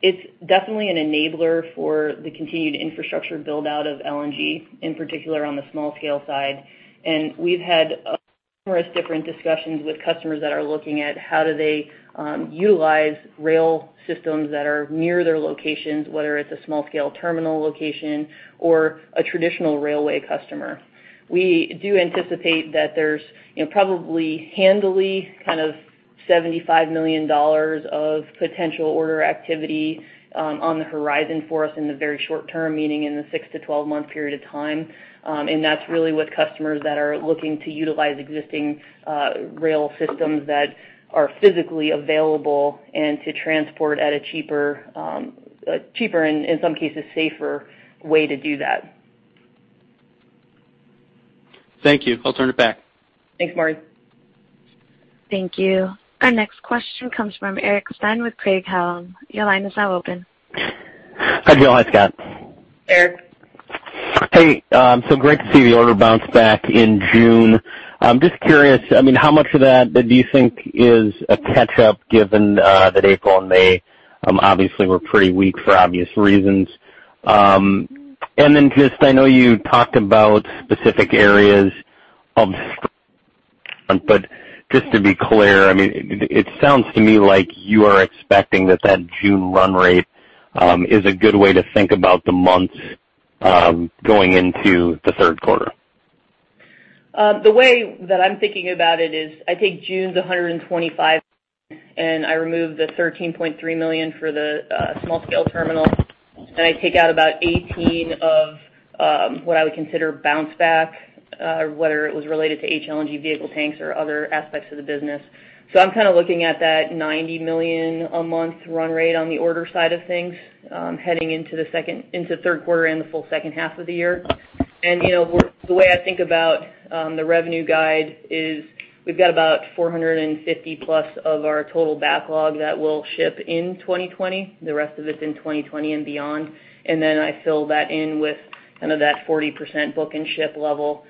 It's definitely an enabler for the continued infrastructure build-out of LNG, in particular on the small-scale side. And we've had numerous different discussions with customers that are looking at how do they utilize rail systems that are near their locations, whether it's a small-scale terminal location or a traditional railway customer. We do anticipate that there's probably handily kind of $75 million of potential order activity on the horizon for us in the very short term, meaning in the 6- to 12-month period of time. And that's really with customers that are looking to utilize existing rail systems that are physically available and to transport at a cheaper and, in some cases, safer way to do that. Thank you. I'll turn it back. Thanks, Marty. Thank you. Our next question comes from Eric Stine with Craig-Hallum. Your line is now open. Hi, Jill. Hi, Scott. Eric. Hey. So great to see the order bounce back in June. I'm just curious, I mean, how much of that do you think is a catch-up given that April and May, obviously, were pretty weak for obvious reasons? And then just I know you talked about specific areas of, but just to be clear, I mean, it sounds to me like you are expecting that that June run rate is a good way to think about the months going into the third quarter. The way that I'm thinking about it is I take June's $125 million, and I remove the $13.3 million for the small-scale terminal, and I take out about $18 million of what I would consider bounce-back, whether it was related to LNG vehicle tanks or other aspects of the business. So I'm kind of looking at that $90 million a month run rate on the order side of things heading into the third quarter and the full second half of the year. And the way I think about the revenue guide is we've got about $450 million-plus of our total backlog that will ship in 2020. The rest of it's in 2020 and beyond. And then I fill that in with kind of that 40% book and ship level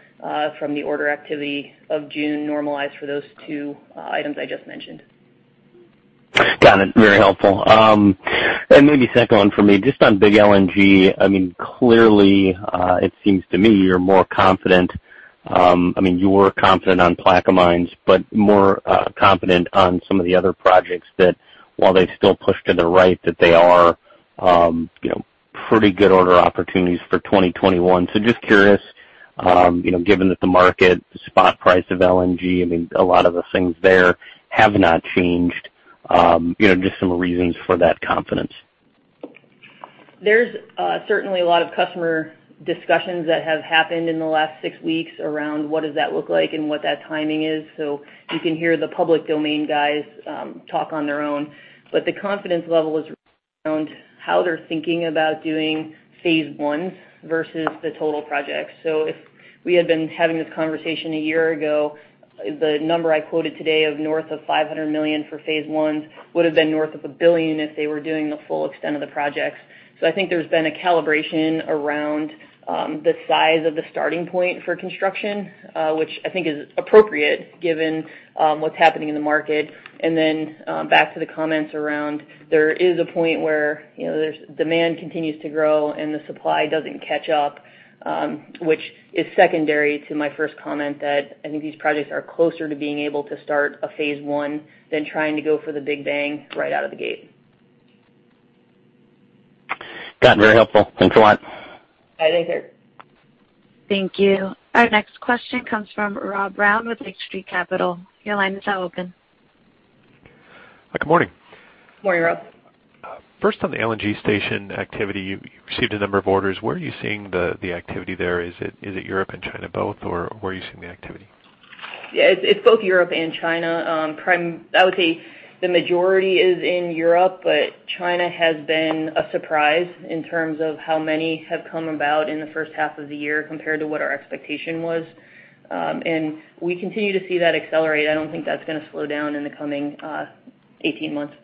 from the order activity of June normalized for those two items I just mentioned. Got it. Very helpful. And maybe second one for me, just on big LNG, I mean, clearly, it seems to me you're more confident, I mean, you were confident on Plaquemines, but more confident on some of the other projects that, while they still push to the right, that they are pretty good order opportunities for 2021. So just curious, given that the market spot price of LNG. I mean, a lot of the things there have not changed, just some reasons for that confidence. There's certainly a lot of customer discussions that have happened in the last six weeks around what does that look like and what that timing is. So you can hear the public domain guys talk on their own. But the confidence level is around how they're thinking about doing phase ones versus the total projects. So if we had been having this conversation a year ago, the number I quoted today of north of $500 million for phase ones would have been north of $1 billion if they were doing the full extent of the projects. So I think there's been a calibration around the size of the starting point for construction, which I think is appropriate given what's happening in the market. And then back to the comments around, there is a point where demand continues to grow and the supply doesn't catch up, which is secondary to my first comment that I think these projects are closer to being able to start a phase one than trying to go for the big bang right out of the gate. Got it. Very helpful. Thanks a lot. I think so. Thank you. Our next question comes from Rob Brown with Lake Street Capital Markets. Your line is now open. Good morning. Good morning, Rob. First, on the LNG station activity, you received a number of orders. Where are you seeing the activity there? Is it Europe and China both, or where are you seeing the activity? Yeah, it's both Europe and China. I would say the majority is in Europe, but China has been a surprise in terms of how many have come about in the first half of the year compared to what our expectation was. And we continue to see that accelerate. I don't think that's going to slow down in the coming 18 months.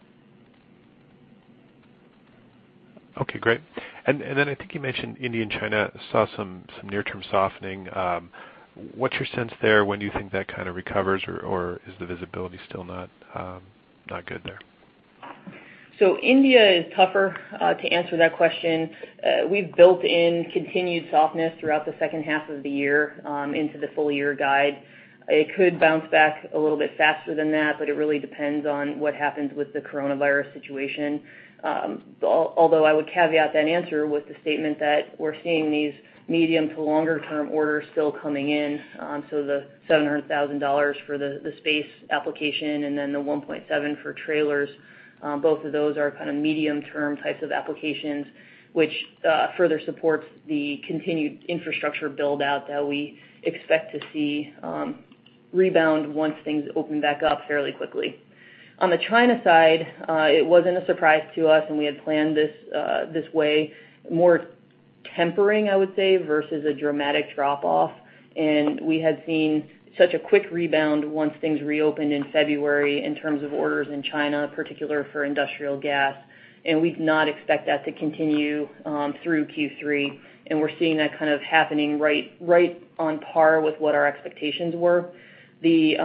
Okay. Great. And then I think you mentioned India and China saw some near-term softening. What's your sense there? When do you think that kind of recovers, or is the visibility still not good there? So India is tougher to answer that question. We've built in continued softness throughout the second half of the year into the full-year guide. It could bounce back a little bit faster than that, but it really depends on what happens with the coronavirus situation. Although I would caveat that answer with the statement that we're seeing these medium- to longer-term orders still coming in. So the $700,000 for the space application and then the $1.7 million for trailers, both of those are kind of medium-term types of applications, which further supports the continued infrastructure build-out that we expect to see rebound once things open back up fairly quickly. On the China side, it wasn't a surprise to us, and we had planned this way more tempering, I would say, versus a dramatic drop-off. And we had seen such a quick rebound once things reopened in February in terms of orders in China, particularly for industrial gas. And we'd not expect that to continue through Q3. And we're seeing that kind of happening right on par with what our expectations were. The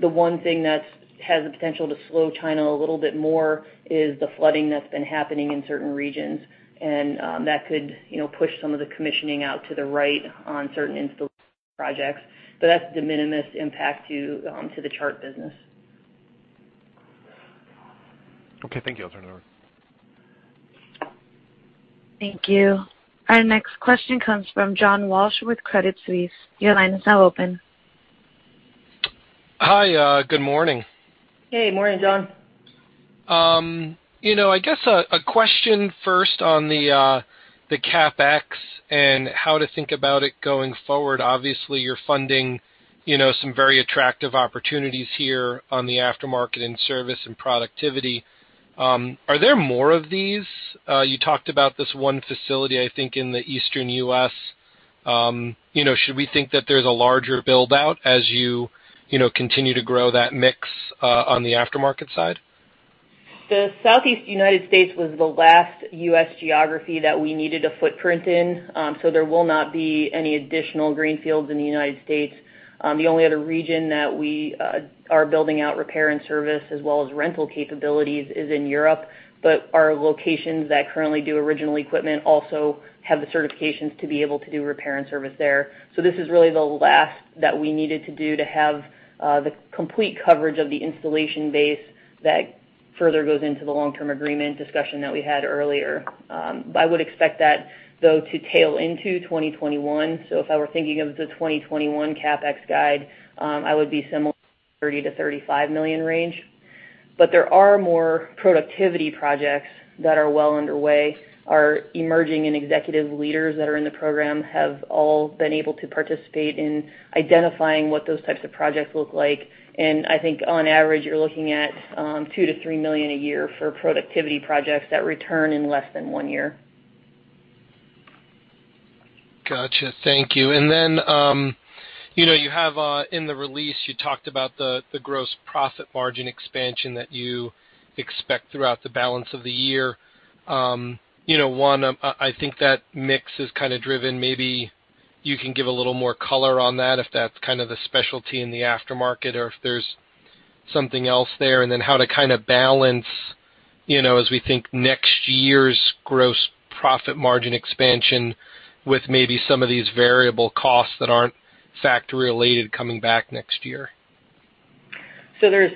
one thing that has the potential to slow China a little bit more is the flooding that's been happening in certain regions, and that could push some of the commissioning out to the right on certain projects. But that's de minimis impact to the Chart business. Okay. Thank you. I'll turn it over. Thank you. Our next question comes from John Walsh with Credit Suisse. Your line is now open. Hi. Good morning. Hey. Morning, John. I guess a question first on the CapEx and how to think about it going forward. Obviously, you're funding some very attractive opportunities here on the aftermarket and service and productivity. Are there more of these? You talked about this one facility, I think, in the Eastern U.S. Should we think that there's a larger build-out as you continue to grow that mix on the aftermarket side? The Southeast United States was the last U.S. geography that we needed a footprint in, so there will not be any additional greenfields in the United States. The only other region that we are building out repair and service as well as rental capabilities is in Europe, but our locations that currently do original equipment also have the certifications to be able to do repair and service there. So this is really the last that we needed to do to have the complete coverage of the installation base that further goes into the long-term agreement discussion that we had earlier. But I would expect that, though, to tail into 2021. So if I were thinking of the 2021 CapEx guide, I would be similar to the $30 million-$35 million range. But there are more productivity projects that are well underway. Our emerging and executive leaders that are in the program have all been able to participate in identifying what those types of projects look like. And I think, on average, you're looking at $2 million-$3 million a year for productivity projects that return in less than one year. Gotcha. Thank you. And then you have in the release, you talked about the gross profit margin expansion that you expect throughout the balance of the year. One, I think that mix is kind of driven. Maybe you can give a little more color on that if that's kind of the specialty in the aftermarket or if there's something else there, and then how to kind of balance as we think next year's gross profit margin expansion with maybe some of these variable costs that aren't factory-related coming back next year. So there's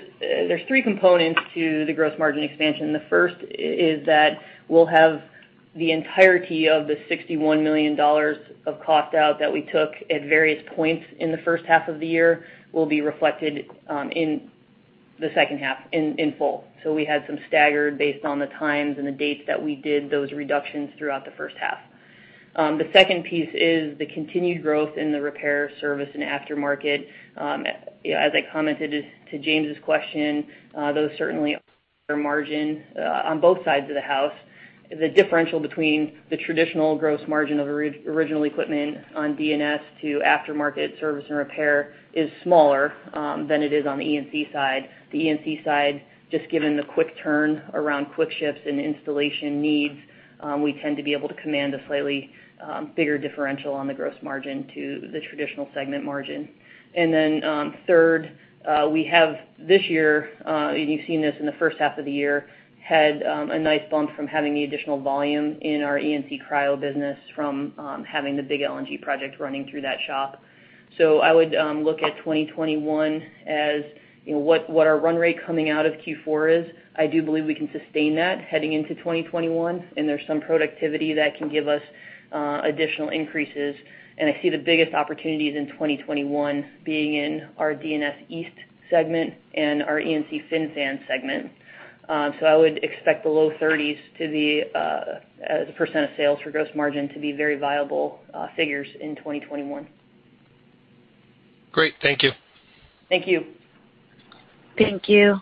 three components to the gross margin expansion. The first is that we'll have the entirety of the $61 million of cost out that we took at various points in the first half of the year will be reflected in the second half in full, so we had some staggered based on the times and the dates that we did those reductions throughout the first half. The second piece is the continued growth in the repair, service, and aftermarket. As I commented to James' question, those certainly are margin on both sides of the house. The differential between the traditional gross margin of original equipment on D&S to aftermarket service and repair is smaller than it is on the E&C side. The E&C side, just given the quick turn around quick ships and installation needs, we tend to be able to command a slightly bigger differential on the gross margin to the traditional segment margin. And then third, we have this year, and you've seen this in the first half of the year, had a nice bump from having the additional volume in our E&C Cryo business from having the big LNG project running through that shop. So I would look at 2021 as what our run rate coming out of Q4 is. I do believe we can sustain that heading into 2021, and there's some productivity that can give us additional increases. And I see the biggest opportunities in 2021 being in our D&S East segment and our E&C FinFan segment. So I would expect the low 30s% of sales for gross margin to be very viable figures in 2021. Great. Thank you. Thank you. Thank you.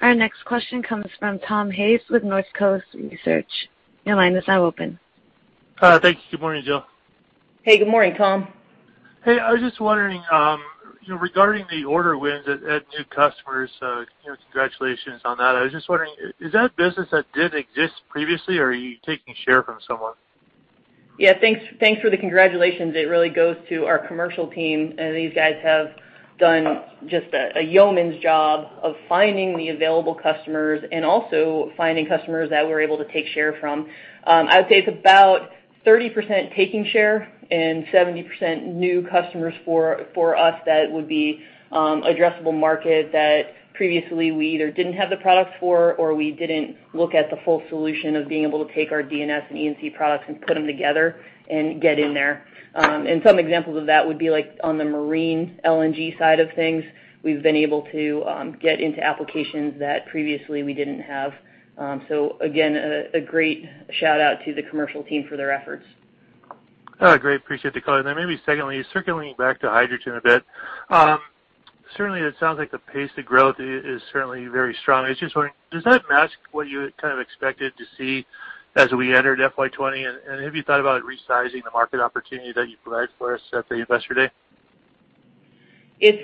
Our next question comes from Tom Hayes with North Coast Research. Your line is now open. Thanks. Good morning, Jill. Hey. Good morning, Tom. Hey. I was just wondering regarding the order wins at new customers. Congratulations on that. I was just wondering, is that a business that didn't exist previously, or are you taking share from someone? Yeah. Thanks for the congratulations. It really goes to our commercial team. These guys have done just a yeoman's job of finding the available customers and also finding customers that we're able to take share from. I would say it's about 30% taking share and 70% new customers for us. That would be addressable market that previously we either didn't have the products for or we didn't look at the full solution of being able to take our LNG and CNG products and put them together and get in there. Some examples of that would be on the marine LNG side of things. We've been able to get into applications that previously we didn't have. Again, a great shout-out to the commercial team for their efforts. Great. Appreciate the call. Then maybe secondly, circling back to hydrogen a bit, certainly, it sounds like the pace of growth is certainly very strong. I was just wondering, does that match what you kind of expected to see as we entered FY 20? And have you thought about resizing the market opportunity that you provided for us at the Investor Day? It's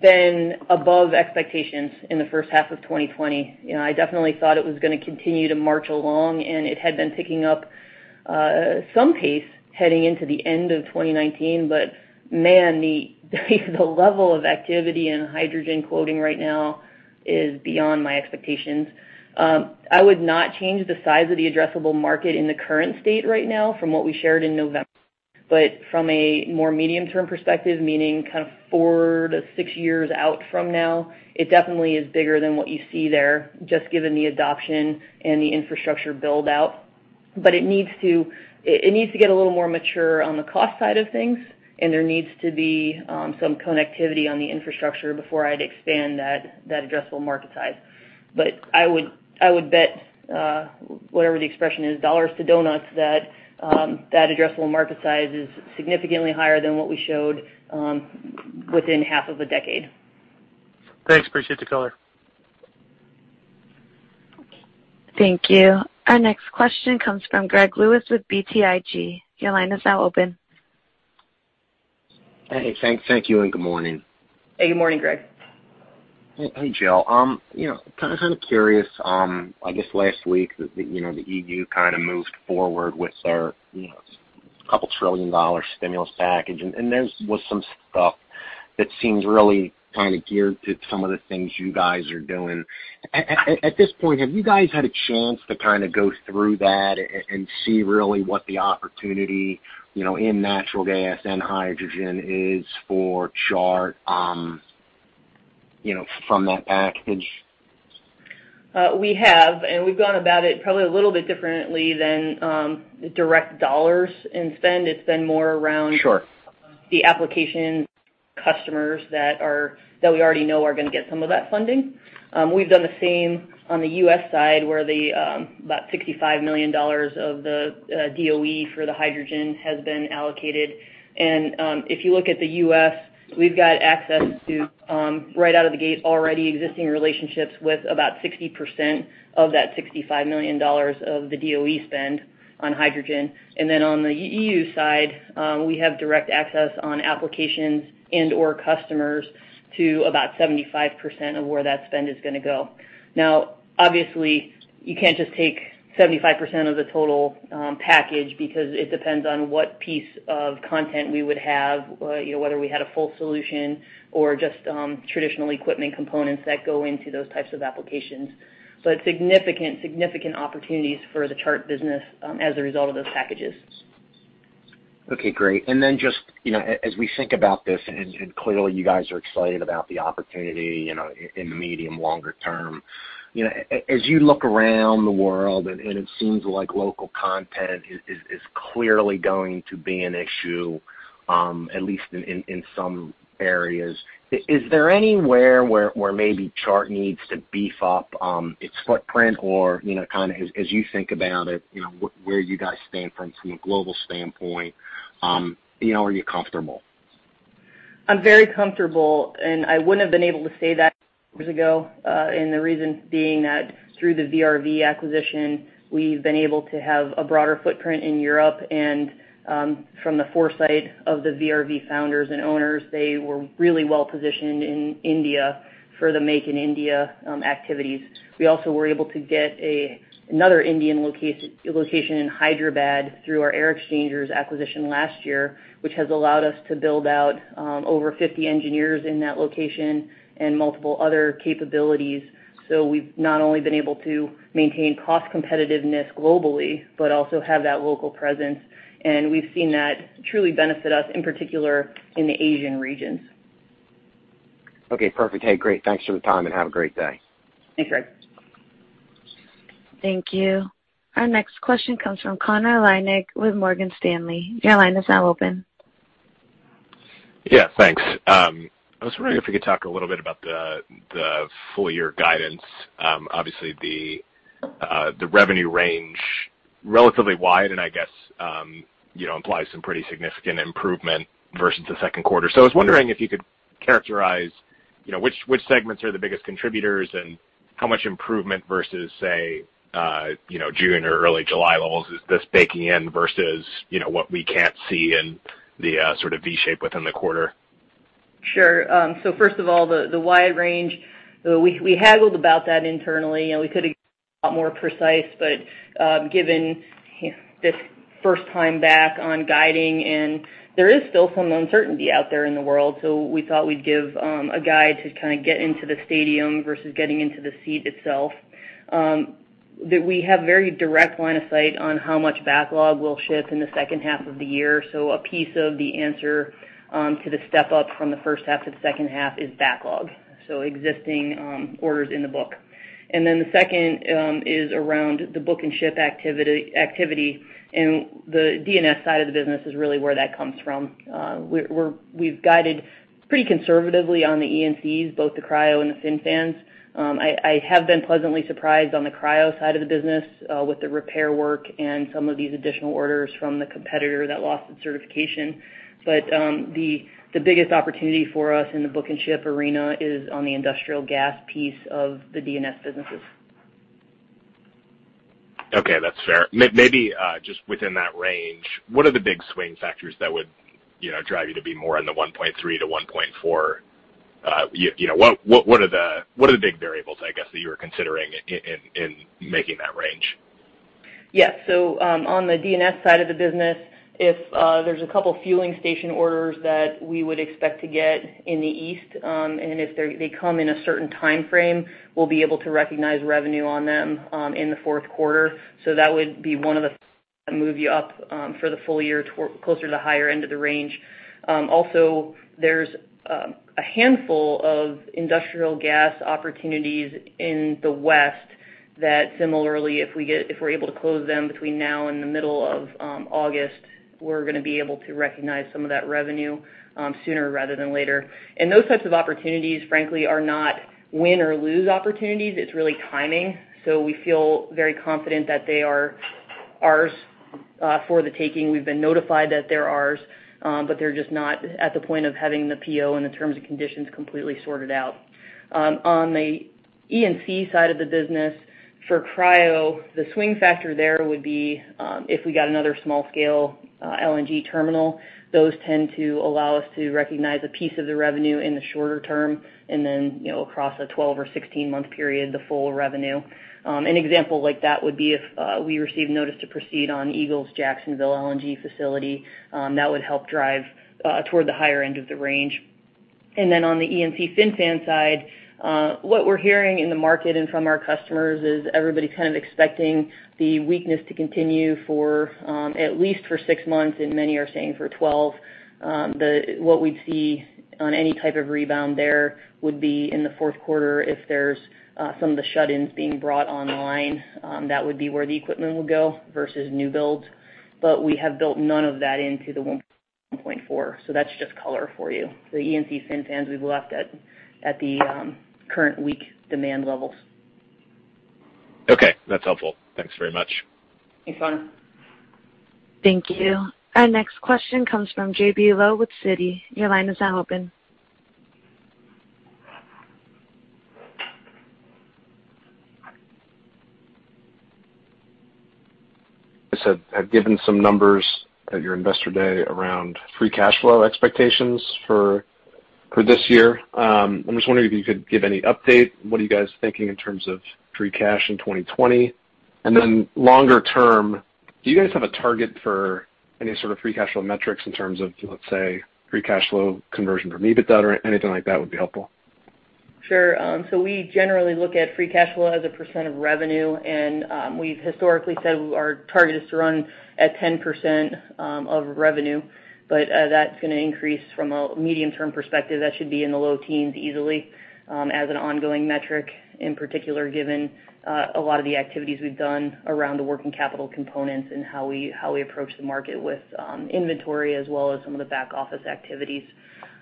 been above expectations in the first half of 2020. I definitely thought it was going to continue to march along, and it had been picking up some pace heading into the end of 2019. Man, the level of activity in hydrogen quoting right now is beyond my expectations. I would not change the size of the addressable market in the current state right now from what we shared in November. But from a more medium-term perspective, meaning kind of four to six years out from now, it definitely is bigger than what you see there, just given the adoption and the infrastructure build-out. But it needs to get a little more mature on the cost side of things, and there needs to be some connectivity on the infrastructure before I'd expand that addressable market size. But I would bet, whatever the expression is, dollars to donuts, that that addressable market size is significantly higher than what we showed within half of a decade. Thanks. Appreciate the call. Thank you. Our next question comes from Greg Lewis with BTIG. Your line is now open. Hey. Thank you and good morning. Hey. Good morning, Greg. Hey, Jill. Kind of curious. I guess last week, the EU kind of moved forward with their couple trillion-dollar stimulus package, and there was some stuff that seemed really kind of geared to some of the things you guys are doing. At this point, have you guys had a chance to kind of go through that and see really what the opportunity in natural gas and hydrogen is for Chart from that package? We have, and we've gone about it probably a little bit differently than direct dollars and spend. It's been more around the application customers that we already know are going to get some of that funding. We've done the same on the U.S. side where about $65 million of the DOE for the hydrogen has been allocated. And if you look at the U.S., we've got access to, right out of the gate, already existing relationships with about 60% of that $65 million of the DOE spend on hydrogen. And then on the E.U. side, we have direct access on applications and/or customers to about 75% of where that spend is going to go. Now, obviously, you can't just take 75% of the total package because it depends on what piece of content we would have, whether we had a full solution or just traditional equipment components that go into those types of applications. But significant, significant opportunities for the Chart business as a result of those packages. Okay. Great. And then just as we think about this, and clearly, you guys are excited about the opportunity in the medium, longer term, as you look around the world, and it seems like local content is clearly going to be an issue, at least in some areas. Is there anywhere where maybe Chart needs to beef up its footprint or kind of, as you think about it, where you guys stand from a global standpoint? Are you comfortable? I'm very comfortable, and I wouldn't have been able to say that years ago. And the reason being that through the VRV acquisition, we've been able to have a broader footprint in Europe. And from the foresight of the VRV founders and owners, they were really well positioned in India for the Make in India activities. We also were able to get another Indian location in Hyderabad through our Air-X-Changers acquisition last year, which has allowed us to build out over 50 engineers in that location and multiple other capabilities. So we've not only been able to maintain cost competitiveness globally but also have that local presence. And we've seen that truly benefit us, in particular, in the Asian regions. Okay. Perfect. Hey. Great. Thanks for the time, and have a great day. Thanks, Greg. Thank you. Our next question comes from Connor Lynagh with Morgan Stanley. Your line is now open. Yeah. Thanks. I was wondering if we could talk a little bit about the full-year guidance. Obviously, the revenue range is relatively wide and, I guess, implies some pretty significant improvement versus the second quarter. So I was wondering if you could characterize which segments are the biggest contributors and how much improvement versus, say, June or early July levels is this baking in versus what we can't see in the sort of V-shape within the quarter? Sure. So first of all, the wide range, we haggled about that internally. We could have been a lot more precise, but given this first time back on guiding, and there is still some uncertainty out there in the world, so we thought we'd give a guide to kind of get into the stadium versus getting into the seat itself, that we have a very direct line of sight on how much backlog will shift in the second half of the year. So a piece of the answer to the step-up from the first half to the second half is backlog, so existing orders in the book. And then the second is around the book and ship activity, and the D&S side of the business is really where that comes from. We've guided pretty conservatively on the E&Cs, both the Cryo and the FinFans. I have been pleasantly surprised on the Cryo side of the business with the repair work and some of these additional orders from the competitor that lost its certification. But the biggest opportunity for us in the book and ship arena is on the industrial gas piece of the D&S businesses. Okay. That's fair. Maybe just within that range, what are the big swing factors that would drive you to be more in the 1.3-1.4? What are the big variables, I guess, that you were considering in making that range? Yeah. So on the D&S side of the business, there's a couple fueling station orders that we would expect to get in the east. And if they come in a certain time frame, we'll be able to recognize revenue on them in the fourth quarter. So that would be one of the things that move you up for the full year closer to the higher end of the range. Also, there's a handful of industrial gas opportunities in the west that, similarly, if we're able to close them between now and the middle of August, we're going to be able to recognize some of that revenue sooner rather than later. And those types of opportunities, frankly, are not win or lose opportunities. It's really timing. So we feel very confident that they are ours for the taking. We've been notified that they're ours, but they're just not at the point of having the PO and the terms and conditions completely sorted out. On the E&C side of the business, for Cryo, the swing factor there would be if we got another small-scale LNG terminal. Those tend to allow us to recognize a piece of the revenue in the shorter term and then, across a 12 or 16-month period, the full revenue. An example like that would be if we received notice to proceed on Eagle's Jacksonville LNG facility. That would help drive toward the higher end of the range. And then on the E&C FinFans side, what we're hearing in the market and from our customers is everybody's kind of expecting the weakness to continue for at least six months, and many are saying for 12. What we'd see on any type of rebound there would be in the fourth quarter if there's some of the shut-ins being brought online. That would be where the equipment would go versus new builds. But we have built none of that into the 1.4. So that's just color for you. The E&C FinFans, we've left at the current weak demand levels. Okay. That's helpful. Thanks very much. Thanks, Connor. Thank you. Our next question comes from J.B. Lowe with Citi. Your line is now open. You said I've given some numbers at your investor day around free cash flow expectations for this year. I'm just wondering if you could give any update. What are you guys thinking in terms of free cash in 2020? Then longer term, do you guys have a target for any sort of free cash flow metrics in terms of, let's say, free cash flow conversion per EBITDA or anything like that would be helpful? Sure, so we generally look at free cash flow as a percent of revenue, and we've historically said our target is to run at 10% of revenue, but that's going to increase from a medium-term perspective. That should be in the low teens easily as an ongoing metric, in particular, given a lot of the activities we've done around the working capital components and how we approach the market with inventory as well as some of the back office activities.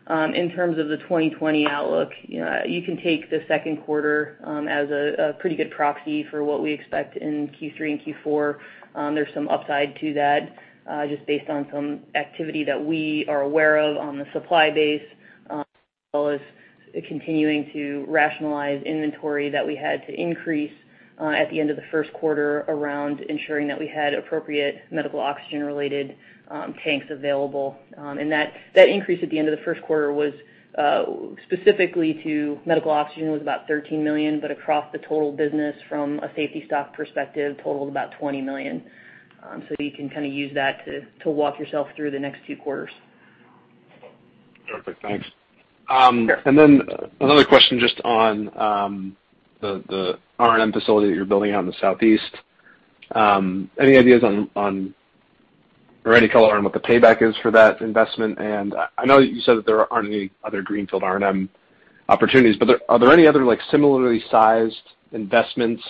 In terms of the 2020 outlook, you can take the second quarter as a pretty good proxy for what we expect in Q3 and Q4. There's some upside to that just based on some activity that we are aware of on the supply base as well as continuing to rationalize inventory that we had to increase at the end of the first quarter around ensuring that we had appropriate medical oxygen-related tanks available. And that increase at the end of the first quarter was specifically to medical oxygen was about $13 million, but across the total business, from a safety stock perspective, totaled about $20 million. So you can kind of use that to walk yourself through the next two quarters. Perfect. Thanks. And then another question just on the R&M facility that you're building out in the southeast. Any ideas on or any color on what the payback is for that investment? I know you said that there aren't any other greenfield R&M opportunities, but are there any other similarly sized investments,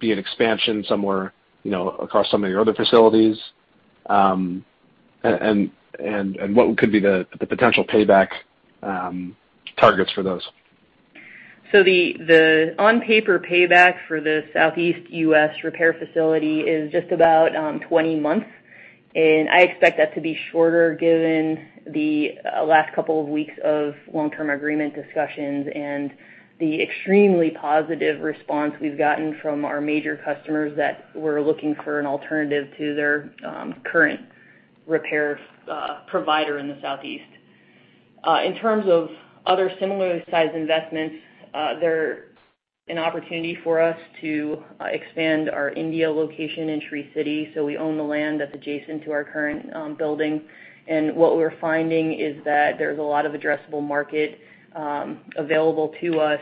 be it expansion somewhere across some of your other facilities? What could be the potential payback targets for those? The on-paper payback for the Southeast U.S. repair facility is just about 20 months. I expect that to be shorter given the last couple of weeks of long-term agreement discussions and the extremely positive response we've gotten from our major customers that were looking for an alternative to their current repair provider in the Southeast. In terms of other similarly sized investments, there's an opportunity for us to expand our India location in Sri City. We own the land that's adjacent to our current building. What we're finding is that there's a lot of addressable market available to us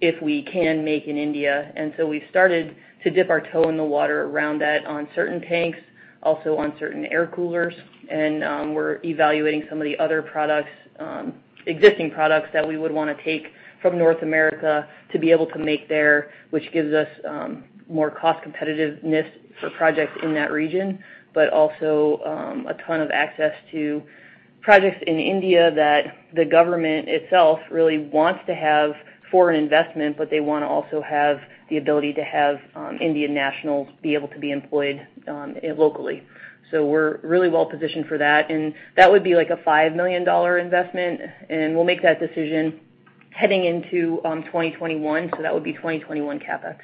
if we can Make in India. And so we've started to dip our toe in the water around that on certain tanks, also on certain air coolers. And we're evaluating some of the other existing products that we would want to take from North America to be able to make there, which gives us more cost competitiveness for projects in that region, but also a ton of access to projects in India that the government itself really wants to have foreign investment, but they want to also have the ability to have Indian nationals be able to be employed locally. So we're really well positioned for that. And that would be like a $5 million investment, and we'll make that decision heading into 2021. So that would be 2021 CapEx.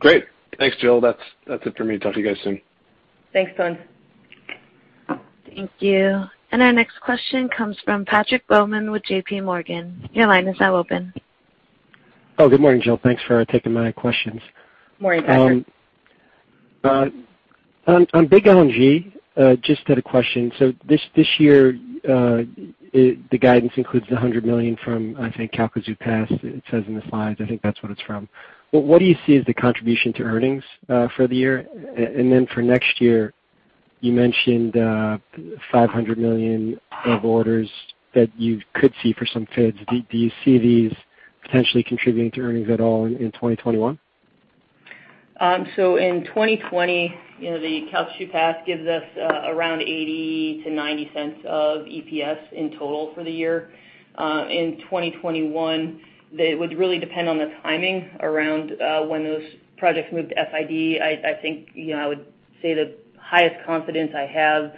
Great. Thanks, Jill. That's it for me. Talk to you guys soon. Thanks, Connor. Thank you. And our next question comes from Patrick Baumann with JPMorgan. Your line is now open. Oh, good morning, Jill. Thanks for taking my questions. Good morning, Patrick. On big LNG, just a question. So this year, the guidance includes $100 million from, I think, Calcasieu Pass. It says in the slides. I think that's what it's from. What do you see as the contribution to earnings for the year? And then for next year, you mentioned $500 million of orders that you could see for some FIDs. Do you see these potentially contributing to earnings at all in 2021? So in 2020, the Calcasieu Pass gives us around $0.80-$0.90 of EPS in total for the year. In 2021, it would really depend on the timing around when those projects move to FID. I think I would say the highest confidence I have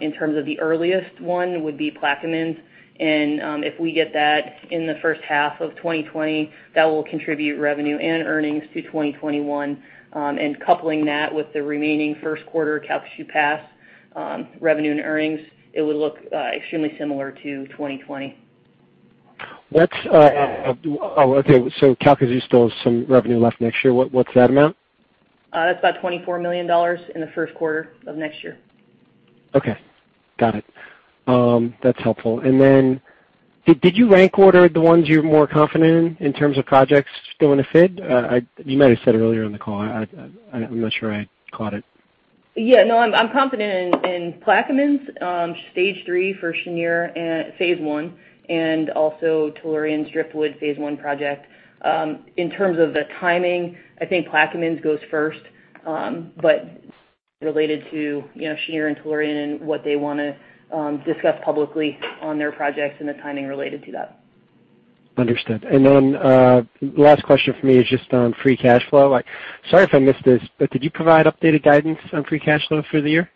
in terms of the earliest one would be Plaquemines. And if we get that in the first half of 2020, that will contribute revenue and earnings to 2021. And coupling that with the remaining first quarter Calcasieu Pass revenue and earnings, it would look extremely similar to 2020. Oh, okay. So Calcasieu still has some revenue left next year. What's that amount? That's about $24 million in the first quarter of next year. Okay. Got it. That's helpful. And then did you rank order the ones you're more confident in in terms of projects still in a FID? You might have said earlier on the call. I'm not sure I caught it. Yeah. No, I'm confident in Plaquemines, stage three for Cheniere phase one, and also Tellurian's Driftwood phase one project. In terms of the timing, I think Plaquemines goes first, but related to Cheniere and Tellurian and what they want to discuss publicly on their projects and the timing related to that. Understood. And then the last question for me is just on free cash flow. Sorry if I missed this, but did you provide updated guidance on free cash flow for the year?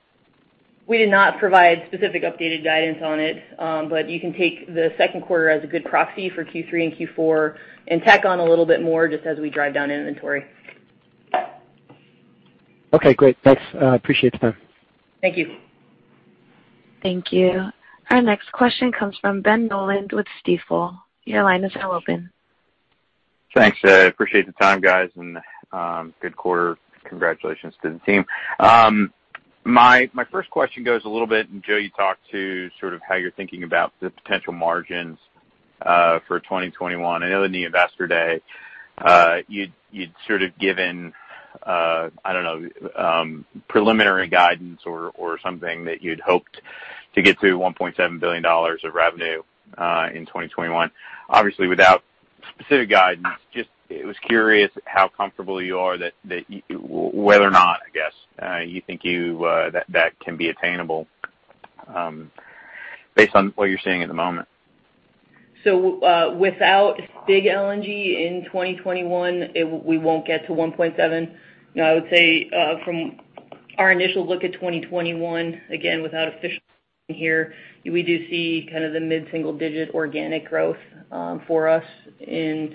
We did not provide specific updated guidance on it, but you can take the second quarter as a good proxy for Q3 and Q4 and tack on a little bit more just as we drive down inventory. Okay. Great. Thanks. Appreciate the time. Thank you. Thank you. Our next question comes from Ben Nolan with Stifel. Your line is now open. Thanks. I appreciate the time, guys, and good quarter. Congratulations to the team. My first question goes a little bit, and Jill, you talked to sort of how you're thinking about the potential margins for 2021. I know in the investor day, you'd sort of given, I don't know, preliminary guidance or something that you'd hoped to get to $1.7 billion of revenue in 2021. Obviously, without specific guidance, just I was curious how comfortable you are that whether or not, I guess, you think that can be attainable based on what you're seeing at the moment. So without big LNG in 2021, we won't get to 1.7. I would say from our initial look at 2021, again, without official here, we do see kind of the mid-single-digit organic growth for us. And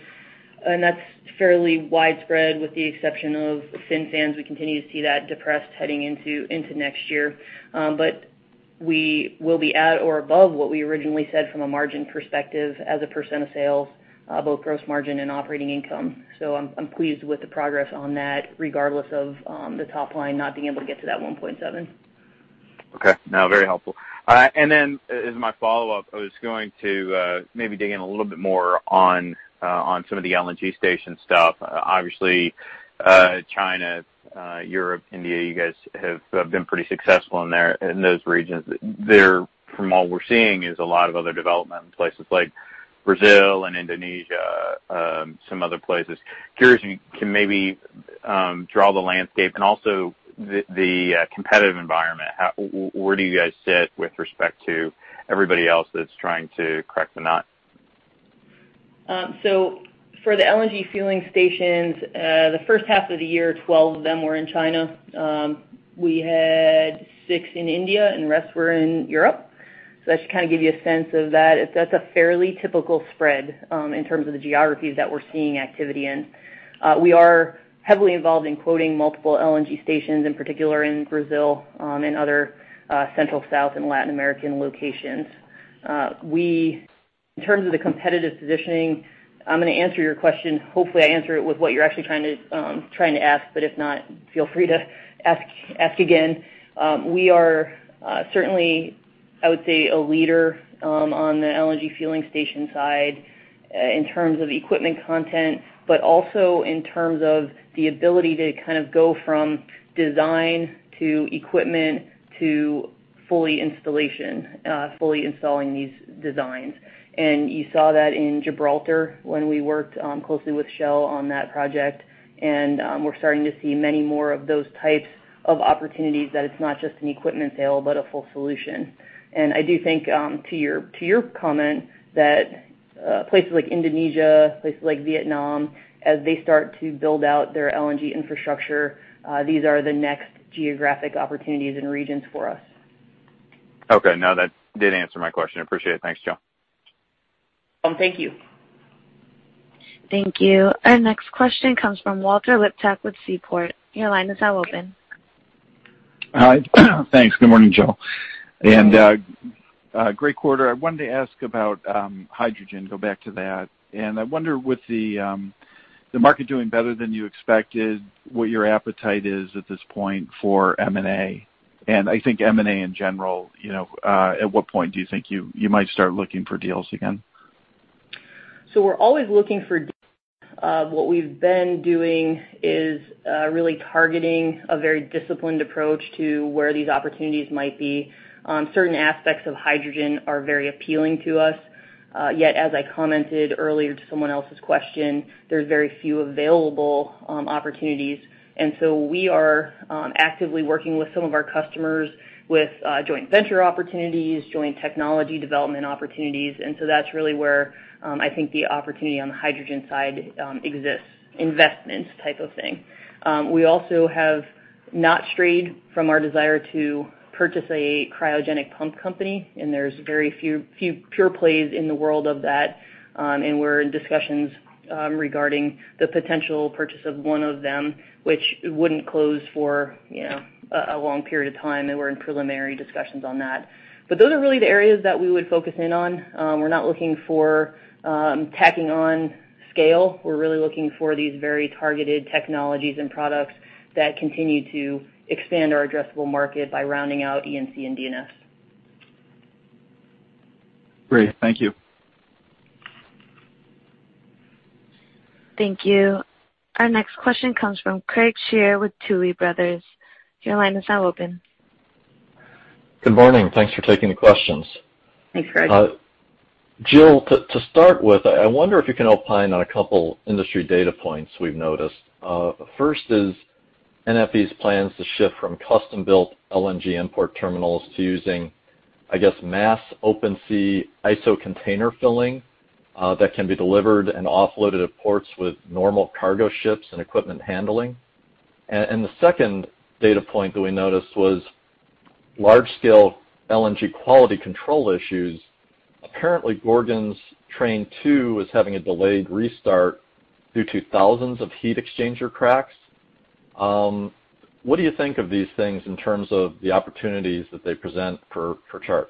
that's fairly widespread with the exception of FinFans. We continue to see that depressed heading into next year. But we will be at or above what we originally said from a margin perspective as a percent of sales, both gross margin and operating income. So I'm pleased with the progress on that, regardless of the top line not being able to get to that 1.7. Okay. Now, very helpful. And then as my follow-up, I was going to maybe dig in a little bit more on some of the LNG station stuff. Obviously, China, Europe, India, you guys have been pretty successful in those regions. From all we're seeing, there's a lot of other development in places like Brazil and Indonesia, some other places. Curious if you can maybe draw the landscape and also the competitive environment. Where do you guys sit with respect to everybody else that's trying to crack the nut? For the LNG fueling stations, the first half of the year, 12 of them were in China. We had six in India, and the rest were in Europe. So that should kind of give you a sense of that. That's a fairly typical spread in terms of the geographies that we're seeing activity in. We are heavily involved in quoting multiple LNG stations, in particular in Brazil and other Central, South, and Latin American locations. In terms of the competitive positioning, I'm going to answer your question. Hopefully, I answer it with what you're actually trying to ask, but if not, feel free to ask again. We are certainly, I would say, a leader on the LNG fueling station side in terms of equipment content, but also in terms of the ability to kind of go from design to equipment to fully installing these designs. And you saw that in Gibraltar when we worked closely with Shell on that project. And we're starting to see many more of those types of opportunities that it's not just an equipment sale, but a full solution. And I do think to your comment that places like Indonesia, places like Vietnam, as they start to build out their LNG infrastructure, these are the next geographic opportunities and regions for us. Okay. No, that did answer my question. Appreciate it. Thanks, Jill. Thank you. Thank you. Our next question comes from Walt Liptak with Seaport. Your line is now open. Hi. Thanks. Good morning, Jill. And great quarter. I wanted to ask about hydrogen, go back to that. And I wonder with the market doing better than you expected, what your appetite is at this point for M&A? And I think M&A in general, at what point do you think you might start looking for deals again? So we're always looking for deals. What we've been doing is really targeting a very disciplined approach to where these opportunities might be. Certain aspects of hydrogen are very appealing to us. Yet, as I commented earlier to someone else's question, there's very few available opportunities. And so we are actively working with some of our customers with joint venture opportunities, joint technology development opportunities. And so that's really where I think the opportunity on the hydrogen side exists, investment type of thing. We also have not strayed from our desire to purchase a cryogenic pump company. And there's very few pure plays in the world of that. And we're in discussions regarding the potential purchase of one of them, which wouldn't close for a long period of time. We're in preliminary discussions on that. Those are really the areas that we would focus in on. We're not looking for tacking on scale. We're really looking for these very targeted technologies and products that continue to expand our addressable market by rounding out E&C and D&S. Great. Thank you. Thank you. Our next question comes from Craig Shere with Tuohy Brothers. Your line is now open. Good morning. Thanks for taking the questions. Thanks, Craig. Jill, to start with, I wonder if you can opine on a couple of industry data points we've noticed. First is NFE's plans to shift from custom-built LNG import terminals to using, I guess, mass open-sea ISO container filling that can be delivered and offloaded at ports with normal cargo ships and equipment handling. The second data point that we noticed was large-scale LNG quality control issues. Apparently, Gorgon's Train 2 was having a delayed restart due to thousands of heat exchanger cracks. What do you think of these things in terms of the opportunities that they present for Chart?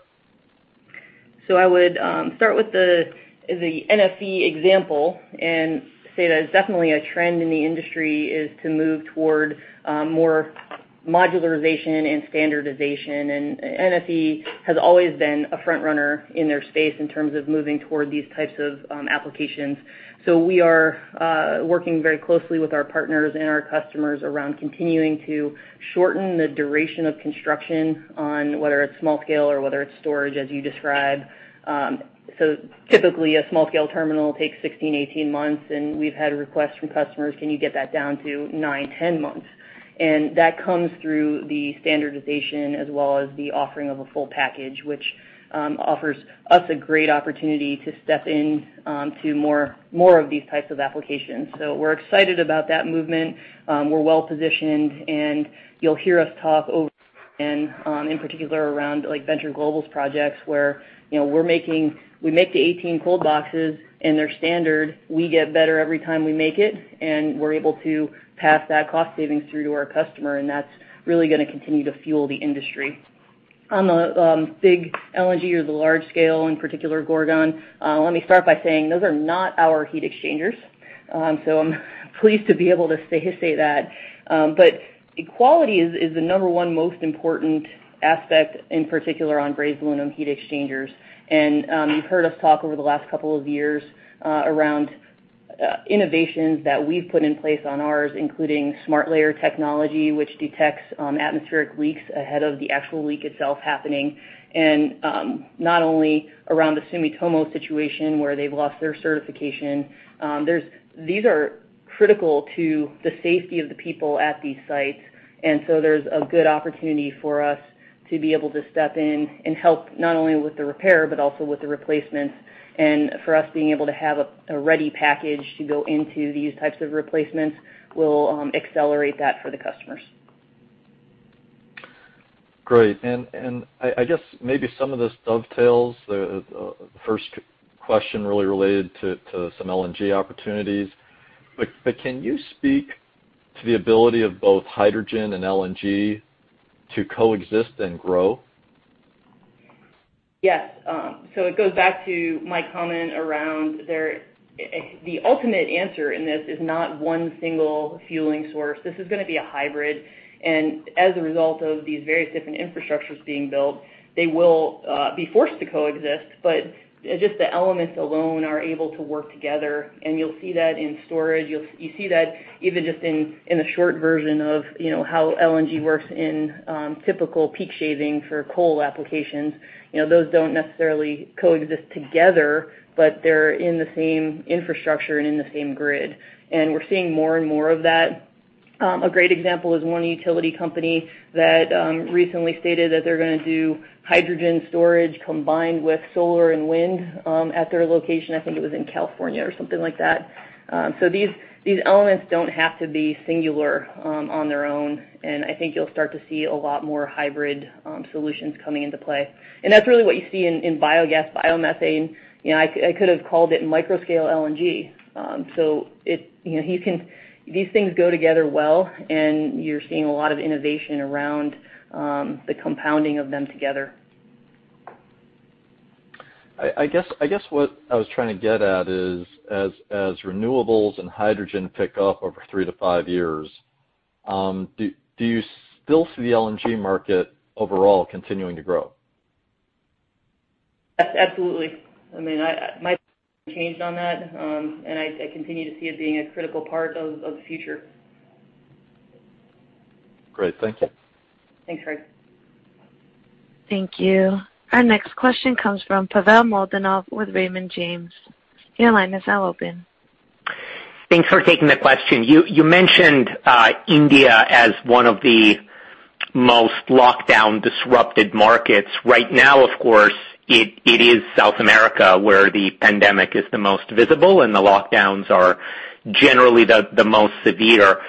So I would start with the NFE example and say that it's definitely a trend in the industry is to move toward more modularization and standardization. And NFE has always been a front-runner in their space in terms of moving toward these types of applications. So we are working very closely with our partners and our customers around continuing to shorten the duration of construction on whether it's small-scale or whether it's storage, as you described. So typically, a small-scale terminal takes 16-18 months. And we've had requests from customers, "Can you get that down to nine, 10 months?" And that comes through the standardization as well as the offering of a full package, which offers us a great opportunity to step into more of these types of applications. So we're excited about that movement. We're well positioned. And you'll hear us talk over and over in particular around Venture Global's projects where we make the 18 cold boxes and they're standard. We get better every time we make it. And we're able to pass that cost savings through to our customer. And that's really going to continue to fuel the industry. On the big LNG or the large scale, in particular, Gorgon, let me start by saying those are not our heat exchangers. So I'm pleased to be able to say that. But quality is the number one most important aspect, in particular, on brazed aluminum heat exchangers. And you've heard us talk over the last couple of years around innovations that we've put in place on ours, including SmartLayer technology, which detects atmospheric leaks ahead of the actual leak itself happening. And not only around the Sumitomo situation where they've lost their certification. These are critical to the safety of the people at these sites. And so there's a good opportunity for us to be able to step in and help not only with the repair, but also with the replacements. And for us being able to have a ready package to go into these types of replacements will accelerate that for the customers Great. And I guess maybe some of this dovetails. The first question really related to some LNG opportunities. But can you speak to the ability of both hydrogen and LNG to coexist and grow? Yes, so it goes back to my comment around the ultimate answer in this is not one single fueling source. This is going to be a hybrid, and as a result of these various different infrastructures being built, they will be forced to coexist, but just the elements alone are able to work together, and you'll see that in storage. You see that even just in the short version of how LNG works in typical peak shaving for coal applications. Those don't necessarily coexist together, but they're in the same infrastructure and in the same grid, and we're seeing more and more of that. A great example is one utility company that recently stated that they're going to do hydrogen storage combined with solar and wind at their location. I think it was in California or something like that. So these elements don't have to be singular on their own. And I think you'll start to see a lot more hybrid solutions coming into play. And that's really what you see in biogas, biomethane. I could have called it microscale LNG. So these things go together well. And you're seeing a lot of innovation around the compounding of them together. I guess what I was trying to get at is as renewables and hydrogen pick up over three to five years, do you still see the LNG market overall continuing to grow? Absolutely. I mean, my opinion changed on that. And I continue to see it being a critical part of the future. Great. Thank you. Thanks, Craig. Thank you. Our next question comes from Pavel Molchanov with Raymond James. Your line is now open. Thanks for taking the question. You mentioned India as one of the most lockdown-disrupted markets. Right now, of course, it is South America where the pandemic is the most visible and the lockdowns are generally the most severe.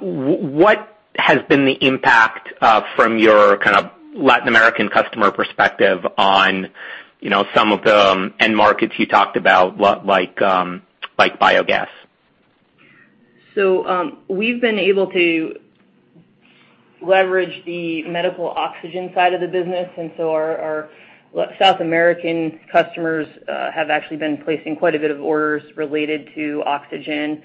What has been the impact from your kind of Latin American customer perspective on some of the end markets you talked about like biogas? So we've been able to leverage the medical oxygen side of the business. And so our South American customers have actually been placing quite a bit of orders related to oxygen,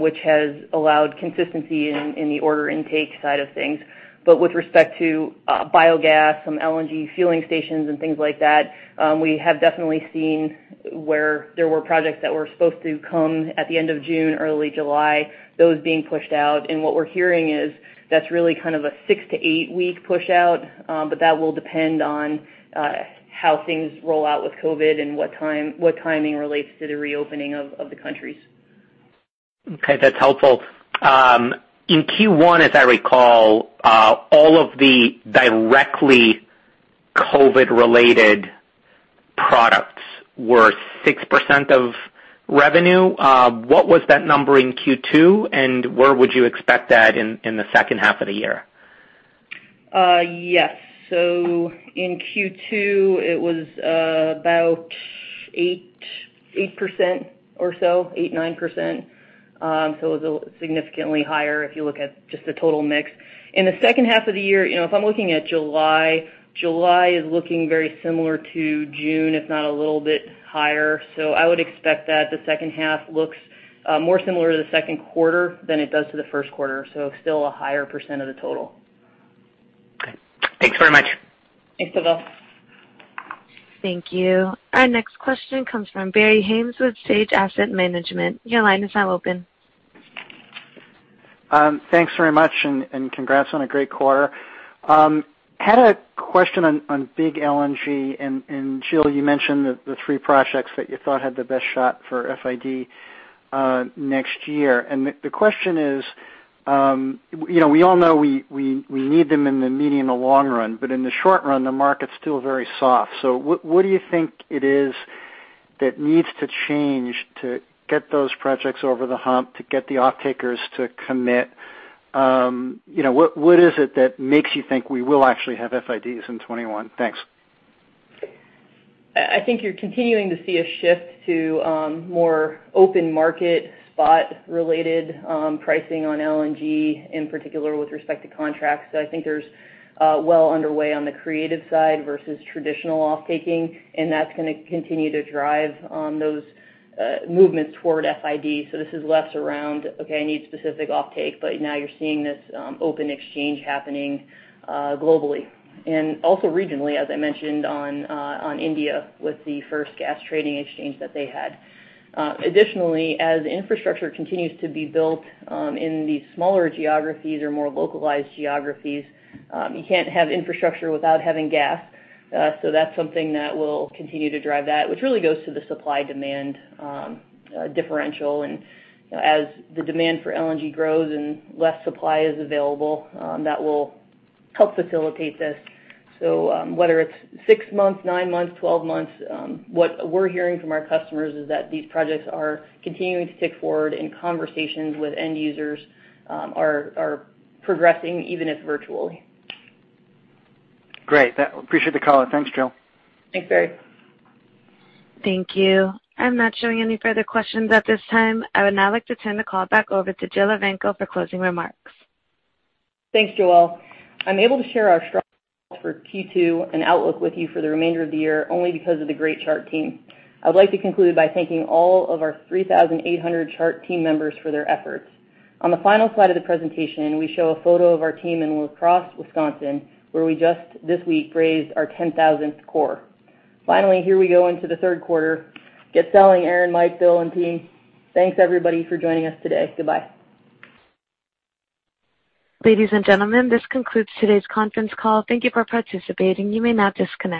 which has allowed consistency in the order intake side of things. But with respect to biogas, some LNG fueling stations and things like that, we have definitely seen where there were projects that were supposed to come at the end of June, early July, those being pushed out. What we're hearing is that's really kind of a six to eight-week push-out. But that will depend on how things roll out with COVID and what timing relates to the reopening of the countries. Okay. That's helpful. In Q1, as I recall, all of the directly COVID-related products were 6% of revenue. What was that number in Q2? And where would you expect that in the second half of the year? Yes. So in Q2, it was about 8% or so, 8-9%. So it was significantly higher if you look at just the total mix. In the second half of the year, if I'm looking at July, July is looking very similar to June, if not a little bit higher. So I would expect that the second half looks more similar to the second quarter than it does to the first quarter. So still a higher % of the total. Okay. Thanks very much. Thanks, Pavel. Thank you. Our next question comes from Barry Haimes with Sage Asset Management. Your line is now open. Thanks very much. And congrats on a great quarter. Had a question on big LNG. And Jill, you mentioned the three projects that you thought had the best shot for FID next year. And the question is we all know we need them in the medium and long run, but in the short run, the market's still very soft. So what do you think it is that needs to change to get those projects over the hump, to get the off-takers to commit? What is it that makes you think we will actually have FIDs in 2021? Thanks. I think you're continuing to see a shift to more open market spot-related pricing on LNG, in particular with respect to contracts. So I think there's well underway on the creative side versus traditional off-taking. And that's going to continue to drive those movements toward FID. So this is less around, "Okay, I need specific off-take." But now you're seeing this open exchange happening globally and also regionally, as I mentioned, on India with the first gas trading exchange that they had. Additionally, as infrastructure continues to be built in these smaller geographies or more localized geographies, you can't have infrastructure without having gas. So that's something that will continue to drive that, which really goes to the supply-demand differential. And as the demand for LNG grows and less supply is available, that will help facilitate this. So whether it's six months, nine months, twelve months, what we're hearing from our customers is that these projects are continuing to tick forward, and conversations with end users are progressing, even if virtually. Great. Appreciate the call. And thanks, Jill. Thanks, Barry. Thank you. I'm not showing any further questions at this time. I would now like to turn the call back over to Jill Evanko for closing remarks. Thanks, Joelle. I'm able to share our struggles for Q2 and outlook with you for the remainder of the year only because of the great Chart team. I would like to conclude by thanking all of our 3,800 Chart team members for their efforts. On the final slide of the presentation, we show a photo of our team in La Crosse, Wisconsin, where we just this week brazed our 10,000th core. Finally, here we go into the third quarter. Get selling, Aaron, Mike, Bill, and team. Thanks, everybody, for joining us today. Goodbye. Ladies and gentlemen, this concludes today's conference call. Thank you for participating. You may now disconnect.